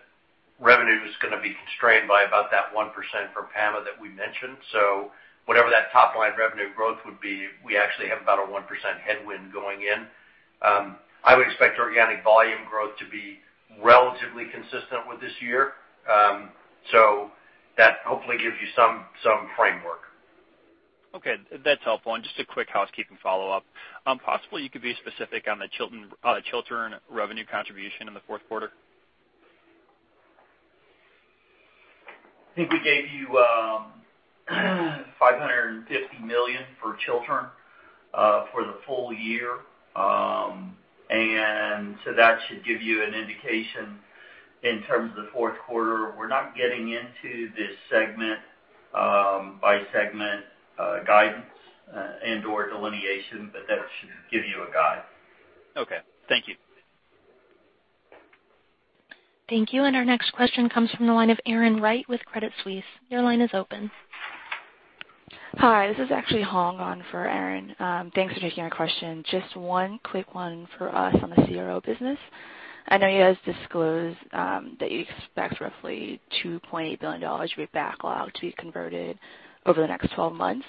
revenue is going to be constrained by about that 1% from PAMA that we mentioned. Whatever that top-line revenue growth would be, we actually have about a 1% headwind going in. I would expect organic volume growth to be relatively consistent with this year. That hopefully gives you some framework. Okay. That's helpful. Just a quick housekeeping follow-up. Possibly, you could be specific on the Chiltern revenue contribution in the fourth quarter. I think we gave you $550 million for Chiltern for the full year. That should give you an indication in terms of the fourth quarter. We're not getting into the segment-by-segment guidance and/or delineation, but that should give you a guide. Okay. Thank you. Thank you. Our next question comes from the line of Erin Wright with Credit Suisse. Your line is open. Hi. This is actually Hong on for Aaron. Thanks for taking our question. Just one quick one for us on the CRO business. I know you guys disclosed that you expect roughly $2.8 billion to be backlogged to be converted over the next 12 months.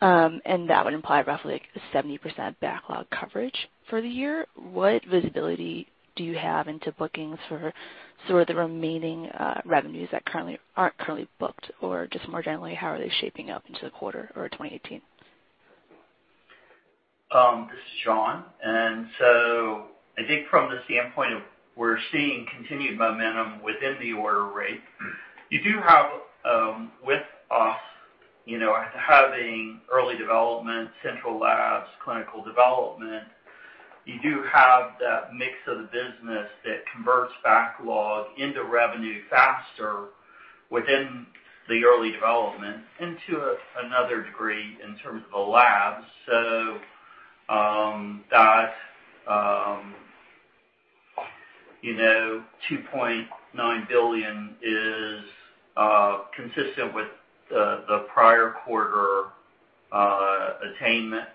That would imply roughly 70% backlog coverage for the year. What visibility do you have into bookings for sort of the remaining revenues that aren't currently booked? Or just more generally, how are they shaping up into the quarter or 2018? This is John. I think from the standpoint of we're seeing continued momentum within the order rate. You do have with us having early development, central labs, clinical development. You do have that mix of the business that converts backlog into revenue faster within the early development and to another degree in terms of the labs. That $2.9 billion is consistent with the prior quarter attainment.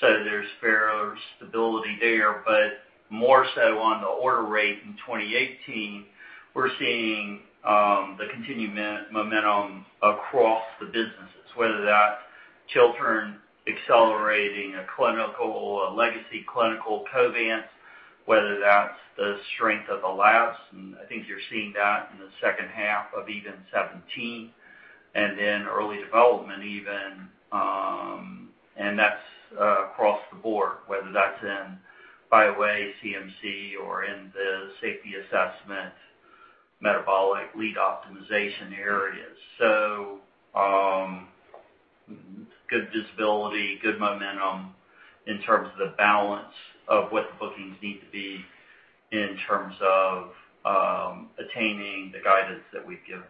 There is fair stability there. More so on the order rate in 2018, we're seeing the continued momentum across the businesses, whether that's Chiltern accelerating a clinical, a legacy clinical, Covance, whether that's the strength of the labs. I think you're seeing that in the second half of even 2017 and then early development even. That's across the board, whether that's in BioWay, CMC, or in the safety assessment, metabolic lead optimization areas. Good visibility, good momentum in terms of the balance of what the bookings need to be in terms of attaining the guidance that we've given.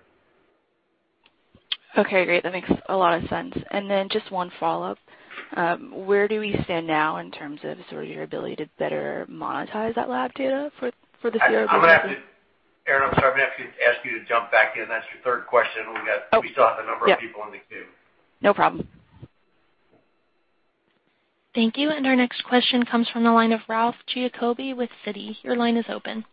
Okay. Great. That makes a lot of sense. Just one follow-up. Where do we stand now in terms of sort of your ability to better monetize that lab data for the CRO business? Erin, I'm sorry. I'm going to have to ask you to jump back in. That's your third question. We still have a number of people in the queue. No problem. Thank you. Our next question comes from the line of Ralph Giacobbe with CITI. Your line is open.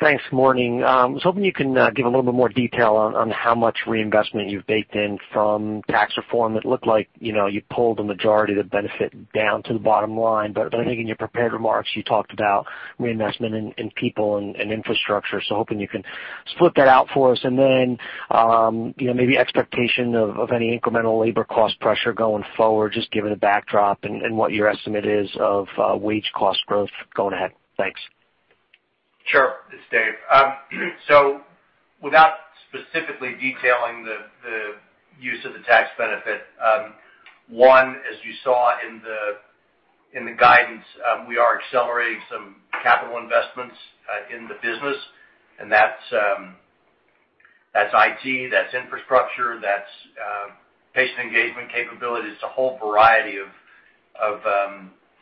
Thanks. Morning. I was hoping you can give a little bit more detail on how much reinvestment you've baked in from tax reform. It looked like you pulled the majority of the benefit down to the bottom line. I think in your prepared remarks, you talked about reinvestment in people and infrastructure. Hoping you can split that out for us. Maybe expectation of any incremental labor cost pressure going forward, just given the backdrop and what your estimate is of wage cost growth going ahead. Thanks. Sure. This is Dave. Without specifically detailing the use of the tax benefit, one, as you saw in the guidance, we are accelerating some capital investments in the business. That's IT, that's infrastructure, that's patient engagement capabilities to a whole variety of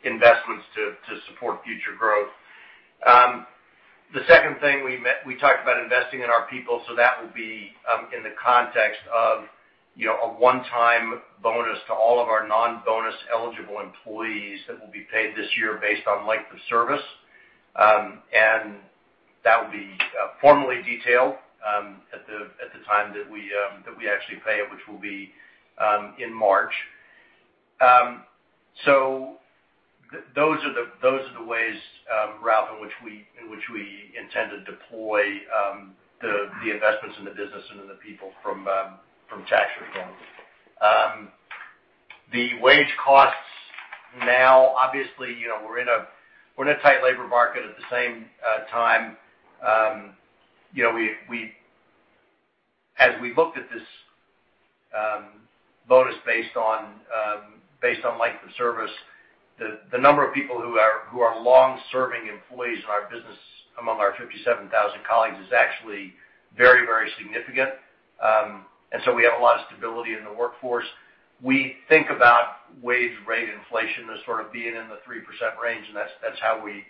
investments to support future growth. The second thing, we talked about investing in our people. That will be in the context of a one-time bonus to all of our non-bonus eligible employees that will be paid this year based on length of service. That will be formally detailed at the time that we actually pay it, which will be in March. Those are the ways, Ralph, in which we intend to deploy the investments in the business and in the people from tax reform. The wage costs now, obviously, we're in a tight labor market at the same time. As we looked at this bonus based on length of service, the number of people who are long-serving employees in our business among our 57,000 colleagues is actually very, very significant. We have a lot of stability in the workforce. We think about wage rate inflation as sort of being in the 3% range. That's how we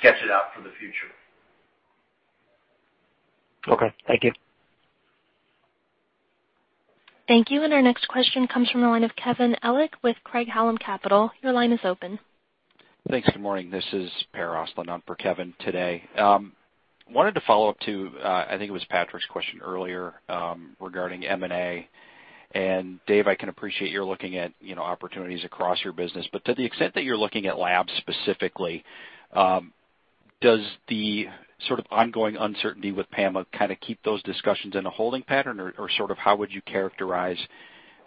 sketch it out for the future. Okay. Thank you. Thank you. Our next question comes from the line of Kevin Elich with Craig-Hallum Capital. Your line is open. Thanks. Good morning. This is Per Ostlund for Kevin today. Wanted to follow up to, I think it was Patrick's question earlier regarding M&A. Dave, I can appreciate you're looking at opportunities across your business. To the extent that you're looking at labs specifically, does the sort of ongoing uncertainty with PAMA kind of keep those discussions in a holding pattern? How would you characterize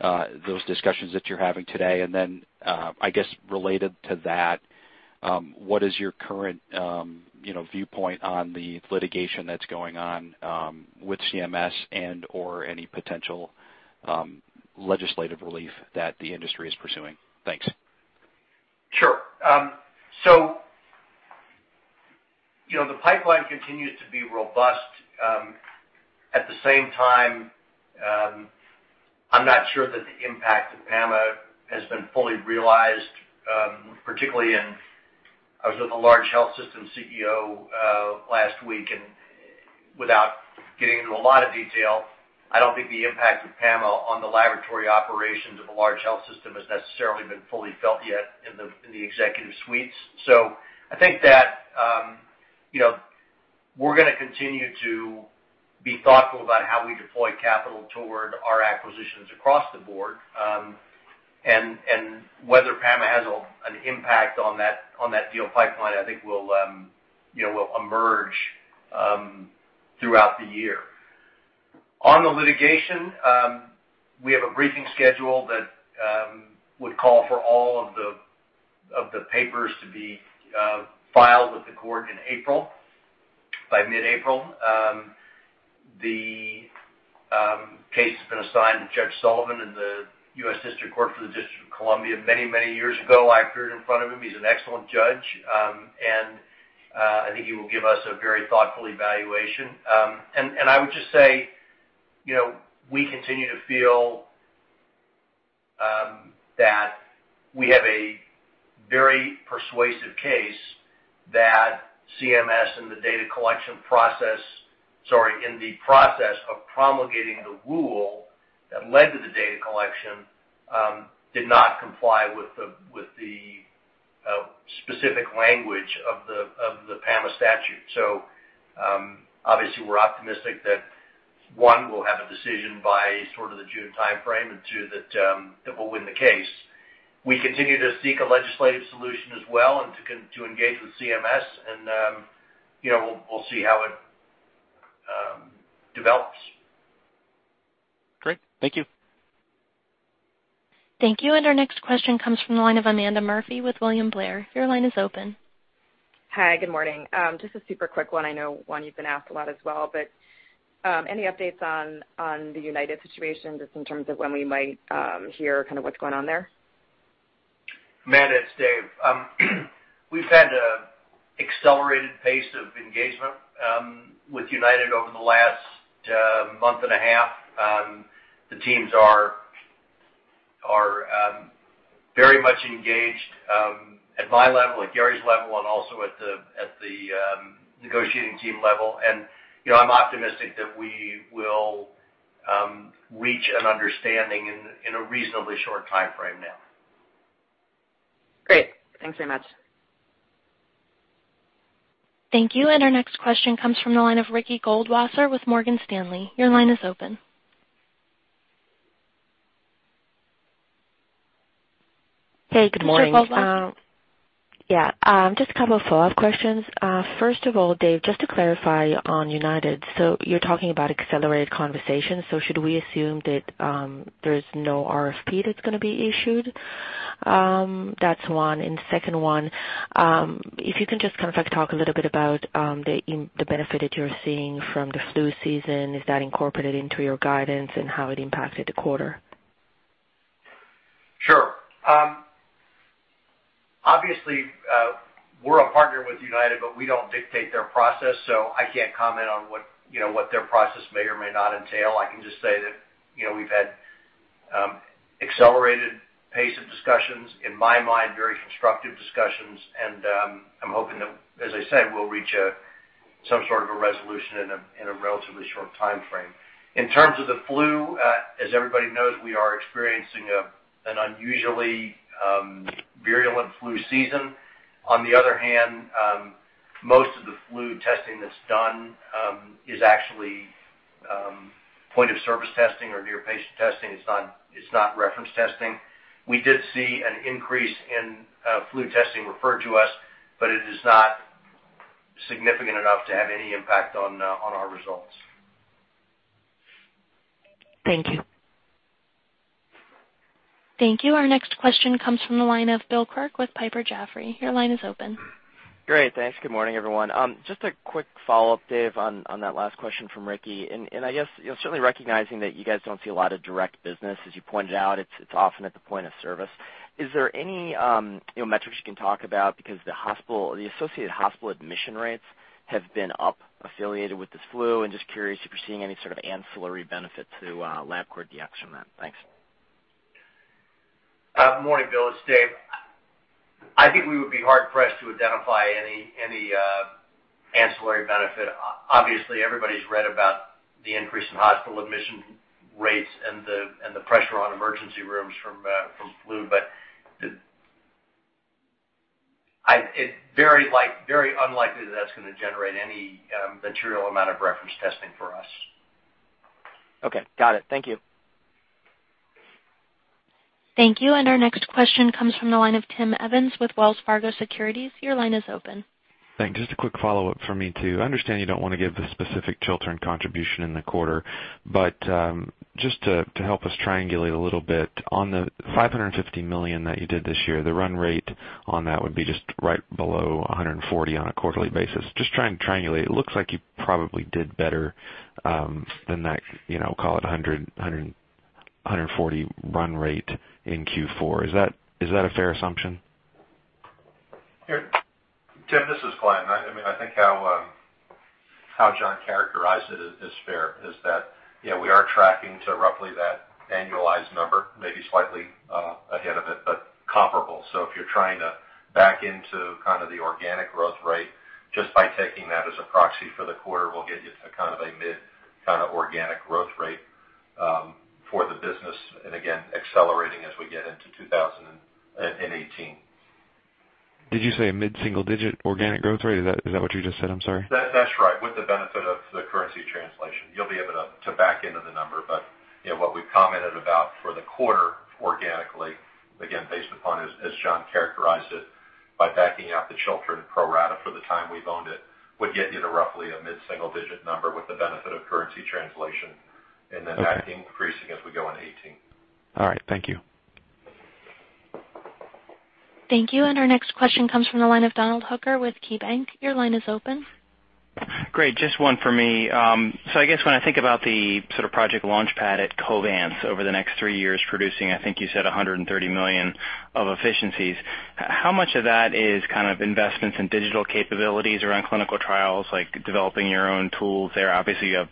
those discussions that you're having today? Related to that, what is your current viewpoint on the litigation that's going on with CMS and/or any potential legislative relief that the industry is pursuing? Thanks. Sure. The pipeline continues to be robust. At the same time, I'm not sure that the impact of PAMA has been fully realized, particularly in I was with a large health system CEO last week. Without getting into a lot of detail, I don't think the impact of PAMA on the laboratory operations of a large health system has necessarily been fully felt yet in the executive suites. I think that we're going to continue to be thoughtful about how we deploy capital toward our acquisitions across the board. Whether PAMA has an impact on that deal pipeline, I think will emerge throughout the year. On the litigation, we have a briefing schedule that would call for all of the papers to be filed with the court in April, by mid-April. The case has been assigned to Judge Sullivan in the U.S. District Court for the District of Columbia. Many, many years ago, I appeared in front of him. He's an excellent judge. I think he will give us a very thoughtful evaluation. I would just say we continue to feel that we have a very persuasive case that CMS and the data collection process, sorry, in the process of promulgating the rule that led to the data collection did not comply with the specific language of the PAMA statute. Obviously, we're optimistic that, one, we'll have a decision by sort of the June timeframe, and two, that we'll win the case. We continue to seek a legislative solution as well and to engage with CMS. We'll see how it develops. Great. Thank you. Thank you. Our next question comes from the line of Amanda Murphy with William Blair. Your line is open. Hi. Good morning. Just a super quick one. I know one you've been asked a lot as well. But any updates on the United situation just in terms of when we might hear kind of what's going on there? Amanda, it's Dave. We've had an accelerated pace of engagement with United over the last month and a half. The teams are very much engaged at my level, at Gary's level, and also at the negotiating team level. I'm optimistic that we will reach an understanding in a reasonably short timeframe now. Great. Thanks very much. Thank you. And our next question comes from the line of Ricky Goldwasser with Morgan Stanley. Your line is open. Hey. Good morning. Yeah. Just a couple of follow-up questions. First of all, Dave, just to clarify on United. So you're talking about accelerated conversation. So should we assume that there is no RFP that's going to be issued? That's one. Second one, if you can just kind of talk a little bit about the benefit that you're seeing from the flu season, is that incorporated into your guidance and how it impacted the quarter? Sure. Obviously, we're a partner with United, but we don't dictate their process. I can't comment on what their process may or may not entail. I can just say that we've had accelerated pace of discussions, in my mind, very constructive discussions. I'm hoping that, as I said, we'll reach some sort of a resolution in a relatively short timeframe. In terms of the flu, as everybody knows, we are experiencing an unusually virulent flu season. On the other hand, most of the flu testing that's done is actually point-of-service testing or near-patient testing. It's not reference testing. We did see an increase in flu testing referred to us, but it is not significant enough to have any impact on our results. Thank you. Thank you. Our next question comes from the line of Bill Kirk with Piper Jaffray. Your line is open. Great. Thanks. Good morning, everyone. Just a quick follow-up, Dave, on that last question from Ricky. I guess certainly recognizing that you guys do not see a lot of direct business, as you pointed out, it is often at the point of service. Is there any metrics you can talk about? Because the associated hospital admission rates have been up affiliated with this flu. Just curious if you are seeing any sort of ancillary benefit to Labcorp DX from that. Thanks. Morning, Bill. It is Dave. I think we would be hard-pressed to identify any ancillary benefit. Obviously, everybody's read about the increase in hospital admission rates and the pressure on emergency rooms from flu. It is very unlikely that that's going to generate any material amount of reference testing for us. Okay. Got it. Thank you. Thank you. Our next question comes from the line of Tim Evans with Wells Fargo Securities. Your line is open. Thanks. Just a quick follow-up for me too. I understand you don't want to give the specific Chiltern contribution in the quarter. Just to help us triangulate a little bit, on the $550 million that you did this year, the run rate on that would be just right below $140 million on a quarterly basis. Just trying to triangulate. It looks like you probably did better than that, call it $140 million run rate in Q4. Is that a fair assumption? Tim, this is Glenn. I mean, I think how John characterized it is fair is that, yeah, we are tracking to roughly that annualized number, maybe slightly ahead of it, but comparable. If you're trying to back into kind of the organic growth rate, just by taking that as a proxy for the quarter, it will get you to kind of a mid kind of organic growth rate for the business. Again, accelerating as we get into 2018. Did you say a mid-single-digit organic growth rate? Is that what you just said? I'm sorry. That's right. With the benefit of the currency translation. You'll be able to back into the number. What we've commented about for the quarter organically, again, based upon, as John characterized it, by backing out the Chiltern pro rata for the time we've owned it, would get you to roughly a mid-single-digit number with the benefit of currency translation. That increasing as we go into 2018. All right. Thank you. Thank you. Our next question comes from the line of Donald Hooker with KeyBanc. Your line is open. Great. Just one for me. I guess when I think about the sort of project Launchpad at Covance over the next three years producing, I think you said $130 million of efficiencies. How much of that is kind of investments in digital capabilities around clinical trials, like developing your own tools there? Obviously, you have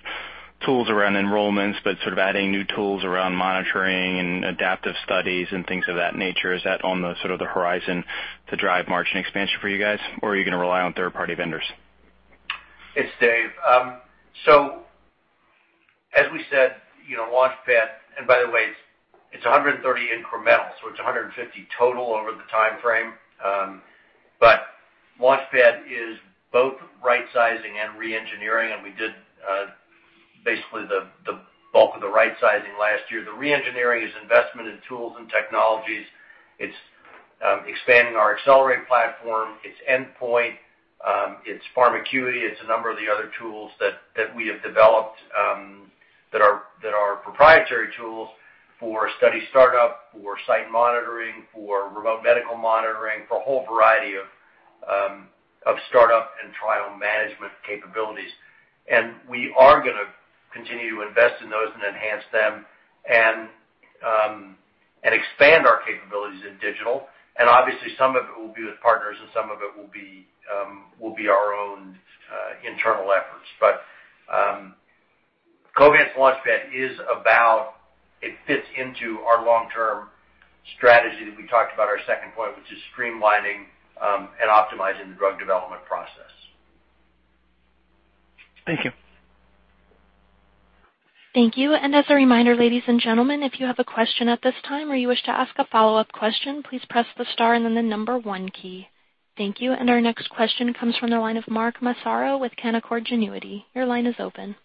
tools around enrollments, but sort of adding new tools around monitoring and adaptive studies and things of that nature. Is that on the sort of the horizon to drive margin expansion for you guys? Or are you going to rely on third-party vendors? It's Dave. As we said, Launchpad and by the way, it's 130 incremental. It's 150 total over the timeframe. Launchpad is both right-sizing and re-engineering. We did basically the bulk of the right-sizing last year. The re-engineering is investment in tools and technologies. It's expanding our Accelerate platform. It's Endpoint. It's Pharma QE. It's a number of the other tools that we have developed that are proprietary tools for study startup, for site monitoring, for remote medical monitoring, for a whole variety of startup and trial management capabilities. We are going to continue to invest in those and enhance them and expand our capabilities in digital. Obviously, some of it will be with partners and some of it will be our own internal efforts. Covance Launchpad is about it fits into our long-term strategy that we talked about, our second point, which is streamlining and optimizing the drug development process. Thank you. Thank you. As a reminder, ladies and gentlemen, if you have a question at this time or you wish to ask a follow-up question, please press the star and then the number one key. Thank you. Our next question comes from the line of Mark Massaro with Canaccord Genuity. Your line is open.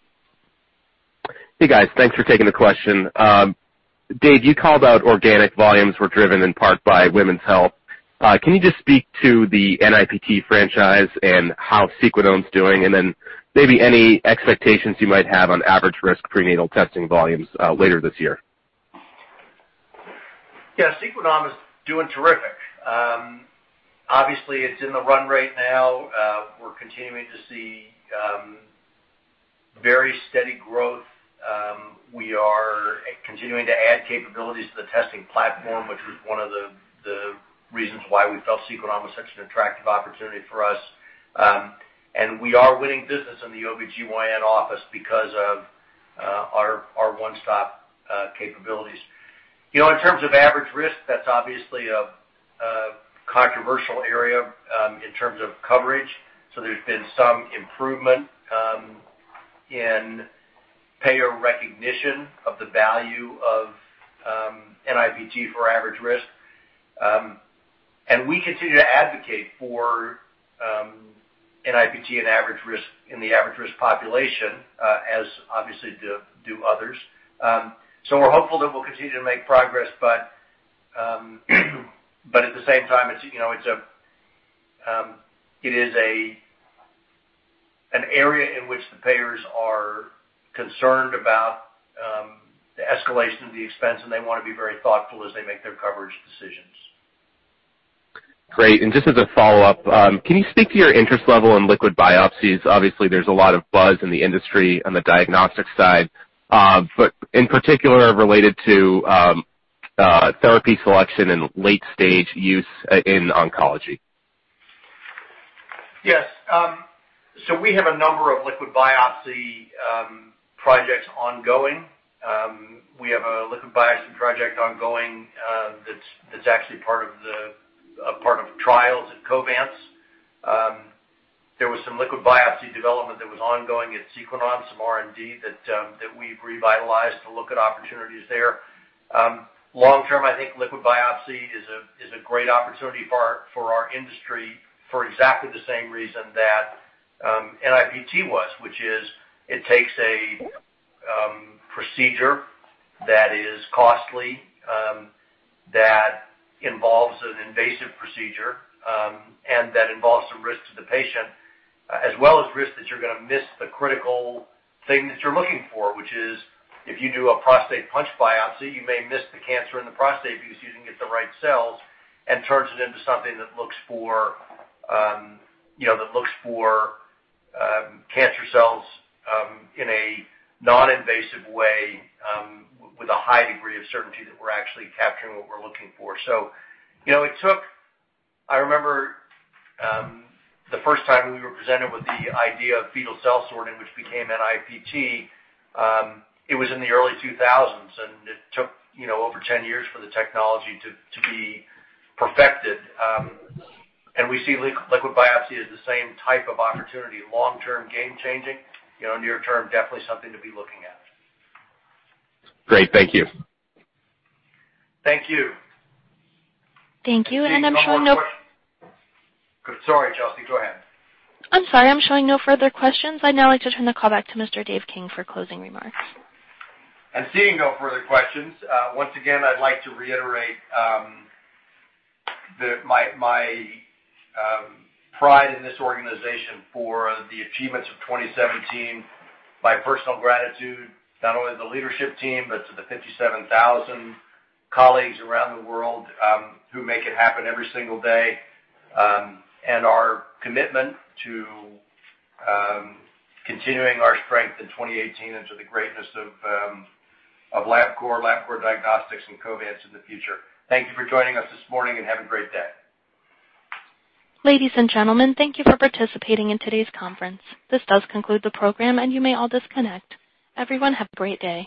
Hey, guys. Thanks for taking the question. Dave, you called out organic volumes were driven in part by women's health. Can you just speak to the NIPT franchise and how Sequenom's doing? Maybe any expectations you might have on average risk prenatal testing volumes later this year. Yeah. Sequenom is doing terrific. Obviously, it's in the run right now. We're continuing to see very steady growth. We are continuing to add capabilities to the testing platform, which was one of the reasons why we felt Sequenom was such an attractive opportunity for us. We are winning business in the OB-GYN office because of our one-stop capabilities. In terms of average risk, that's obviously a controversial area in terms of coverage. There has been some improvement in payer recognition of the value of NIPT for average risk. We continue to advocate for NIPT and average risk in the average risk population, as obviously do others. We are hopeful that we'll continue to make progress. At the same time, it is an area in which the payers are concerned about the escalation of the expense, and they want to be very thoughtful as they make their coverage decisions. Great. Just as a follow-up, can you speak to your interest level in liquid biopsies? Obviously, there's a lot of buzz in the industry on the diagnostic side, but in particular related to therapy selection and late-stage use in oncology. Yes. We have a number of liquid biopsy projects ongoing. We have a liquid biopsy project ongoing that's actually part of trials at Covance. There was some liquid biopsy development that was ongoing at Sequenom, some R&D that we've revitalized to look at opportunities there. Long-term, I think liquid biopsy is a great opportunity for our industry for exactly the same reason that NIPT was, which is it takes a procedure that is costly, that involves an invasive procedure, and that involves some risk to the patient, as well as risk that you're going to miss the critical thing that you're looking for, which is if you do a prostate punch biopsy, you may miss the cancer in the prostate because you didn't get the right cells and turns it into something that looks for cancer cells in a non-invasive way with a high degree of certainty that we're actually capturing what we're looking for. It took I remember the first time we were presented with the idea of fetal cell sorting, which became NIPT. It was in the early 2000s, and it took over 10 years for the technology to be perfected. We see liquid biopsy as the same type of opportunity, long-term game-changing, near-term definitely something to be looking at. Great. Thank you. Thank you. I'm showing no— Sorry, Justine. Go ahead. I'm sorry. I'm showing no further questions. I'd now like to turn the call back to Mr. Dave King for closing remarks. I'm seeing no further questions. Once again, I'd like to reiterate my pride in this organization for the achievements of 2017, my personal gratitude, not only to the leadership team, but to the 57,000 colleagues around the world who make it happen every single day, and our commitment to continuing our strength in 2018 into the greatness of Labcorp, Labcorp Diagnostics, and Covance in the future. Thank you for joining us this morning and have a great day. Ladies and gentlemen, thank you for participating in today's conference. This does conclude the program, and you may all disconnect. Everyone, have a great day.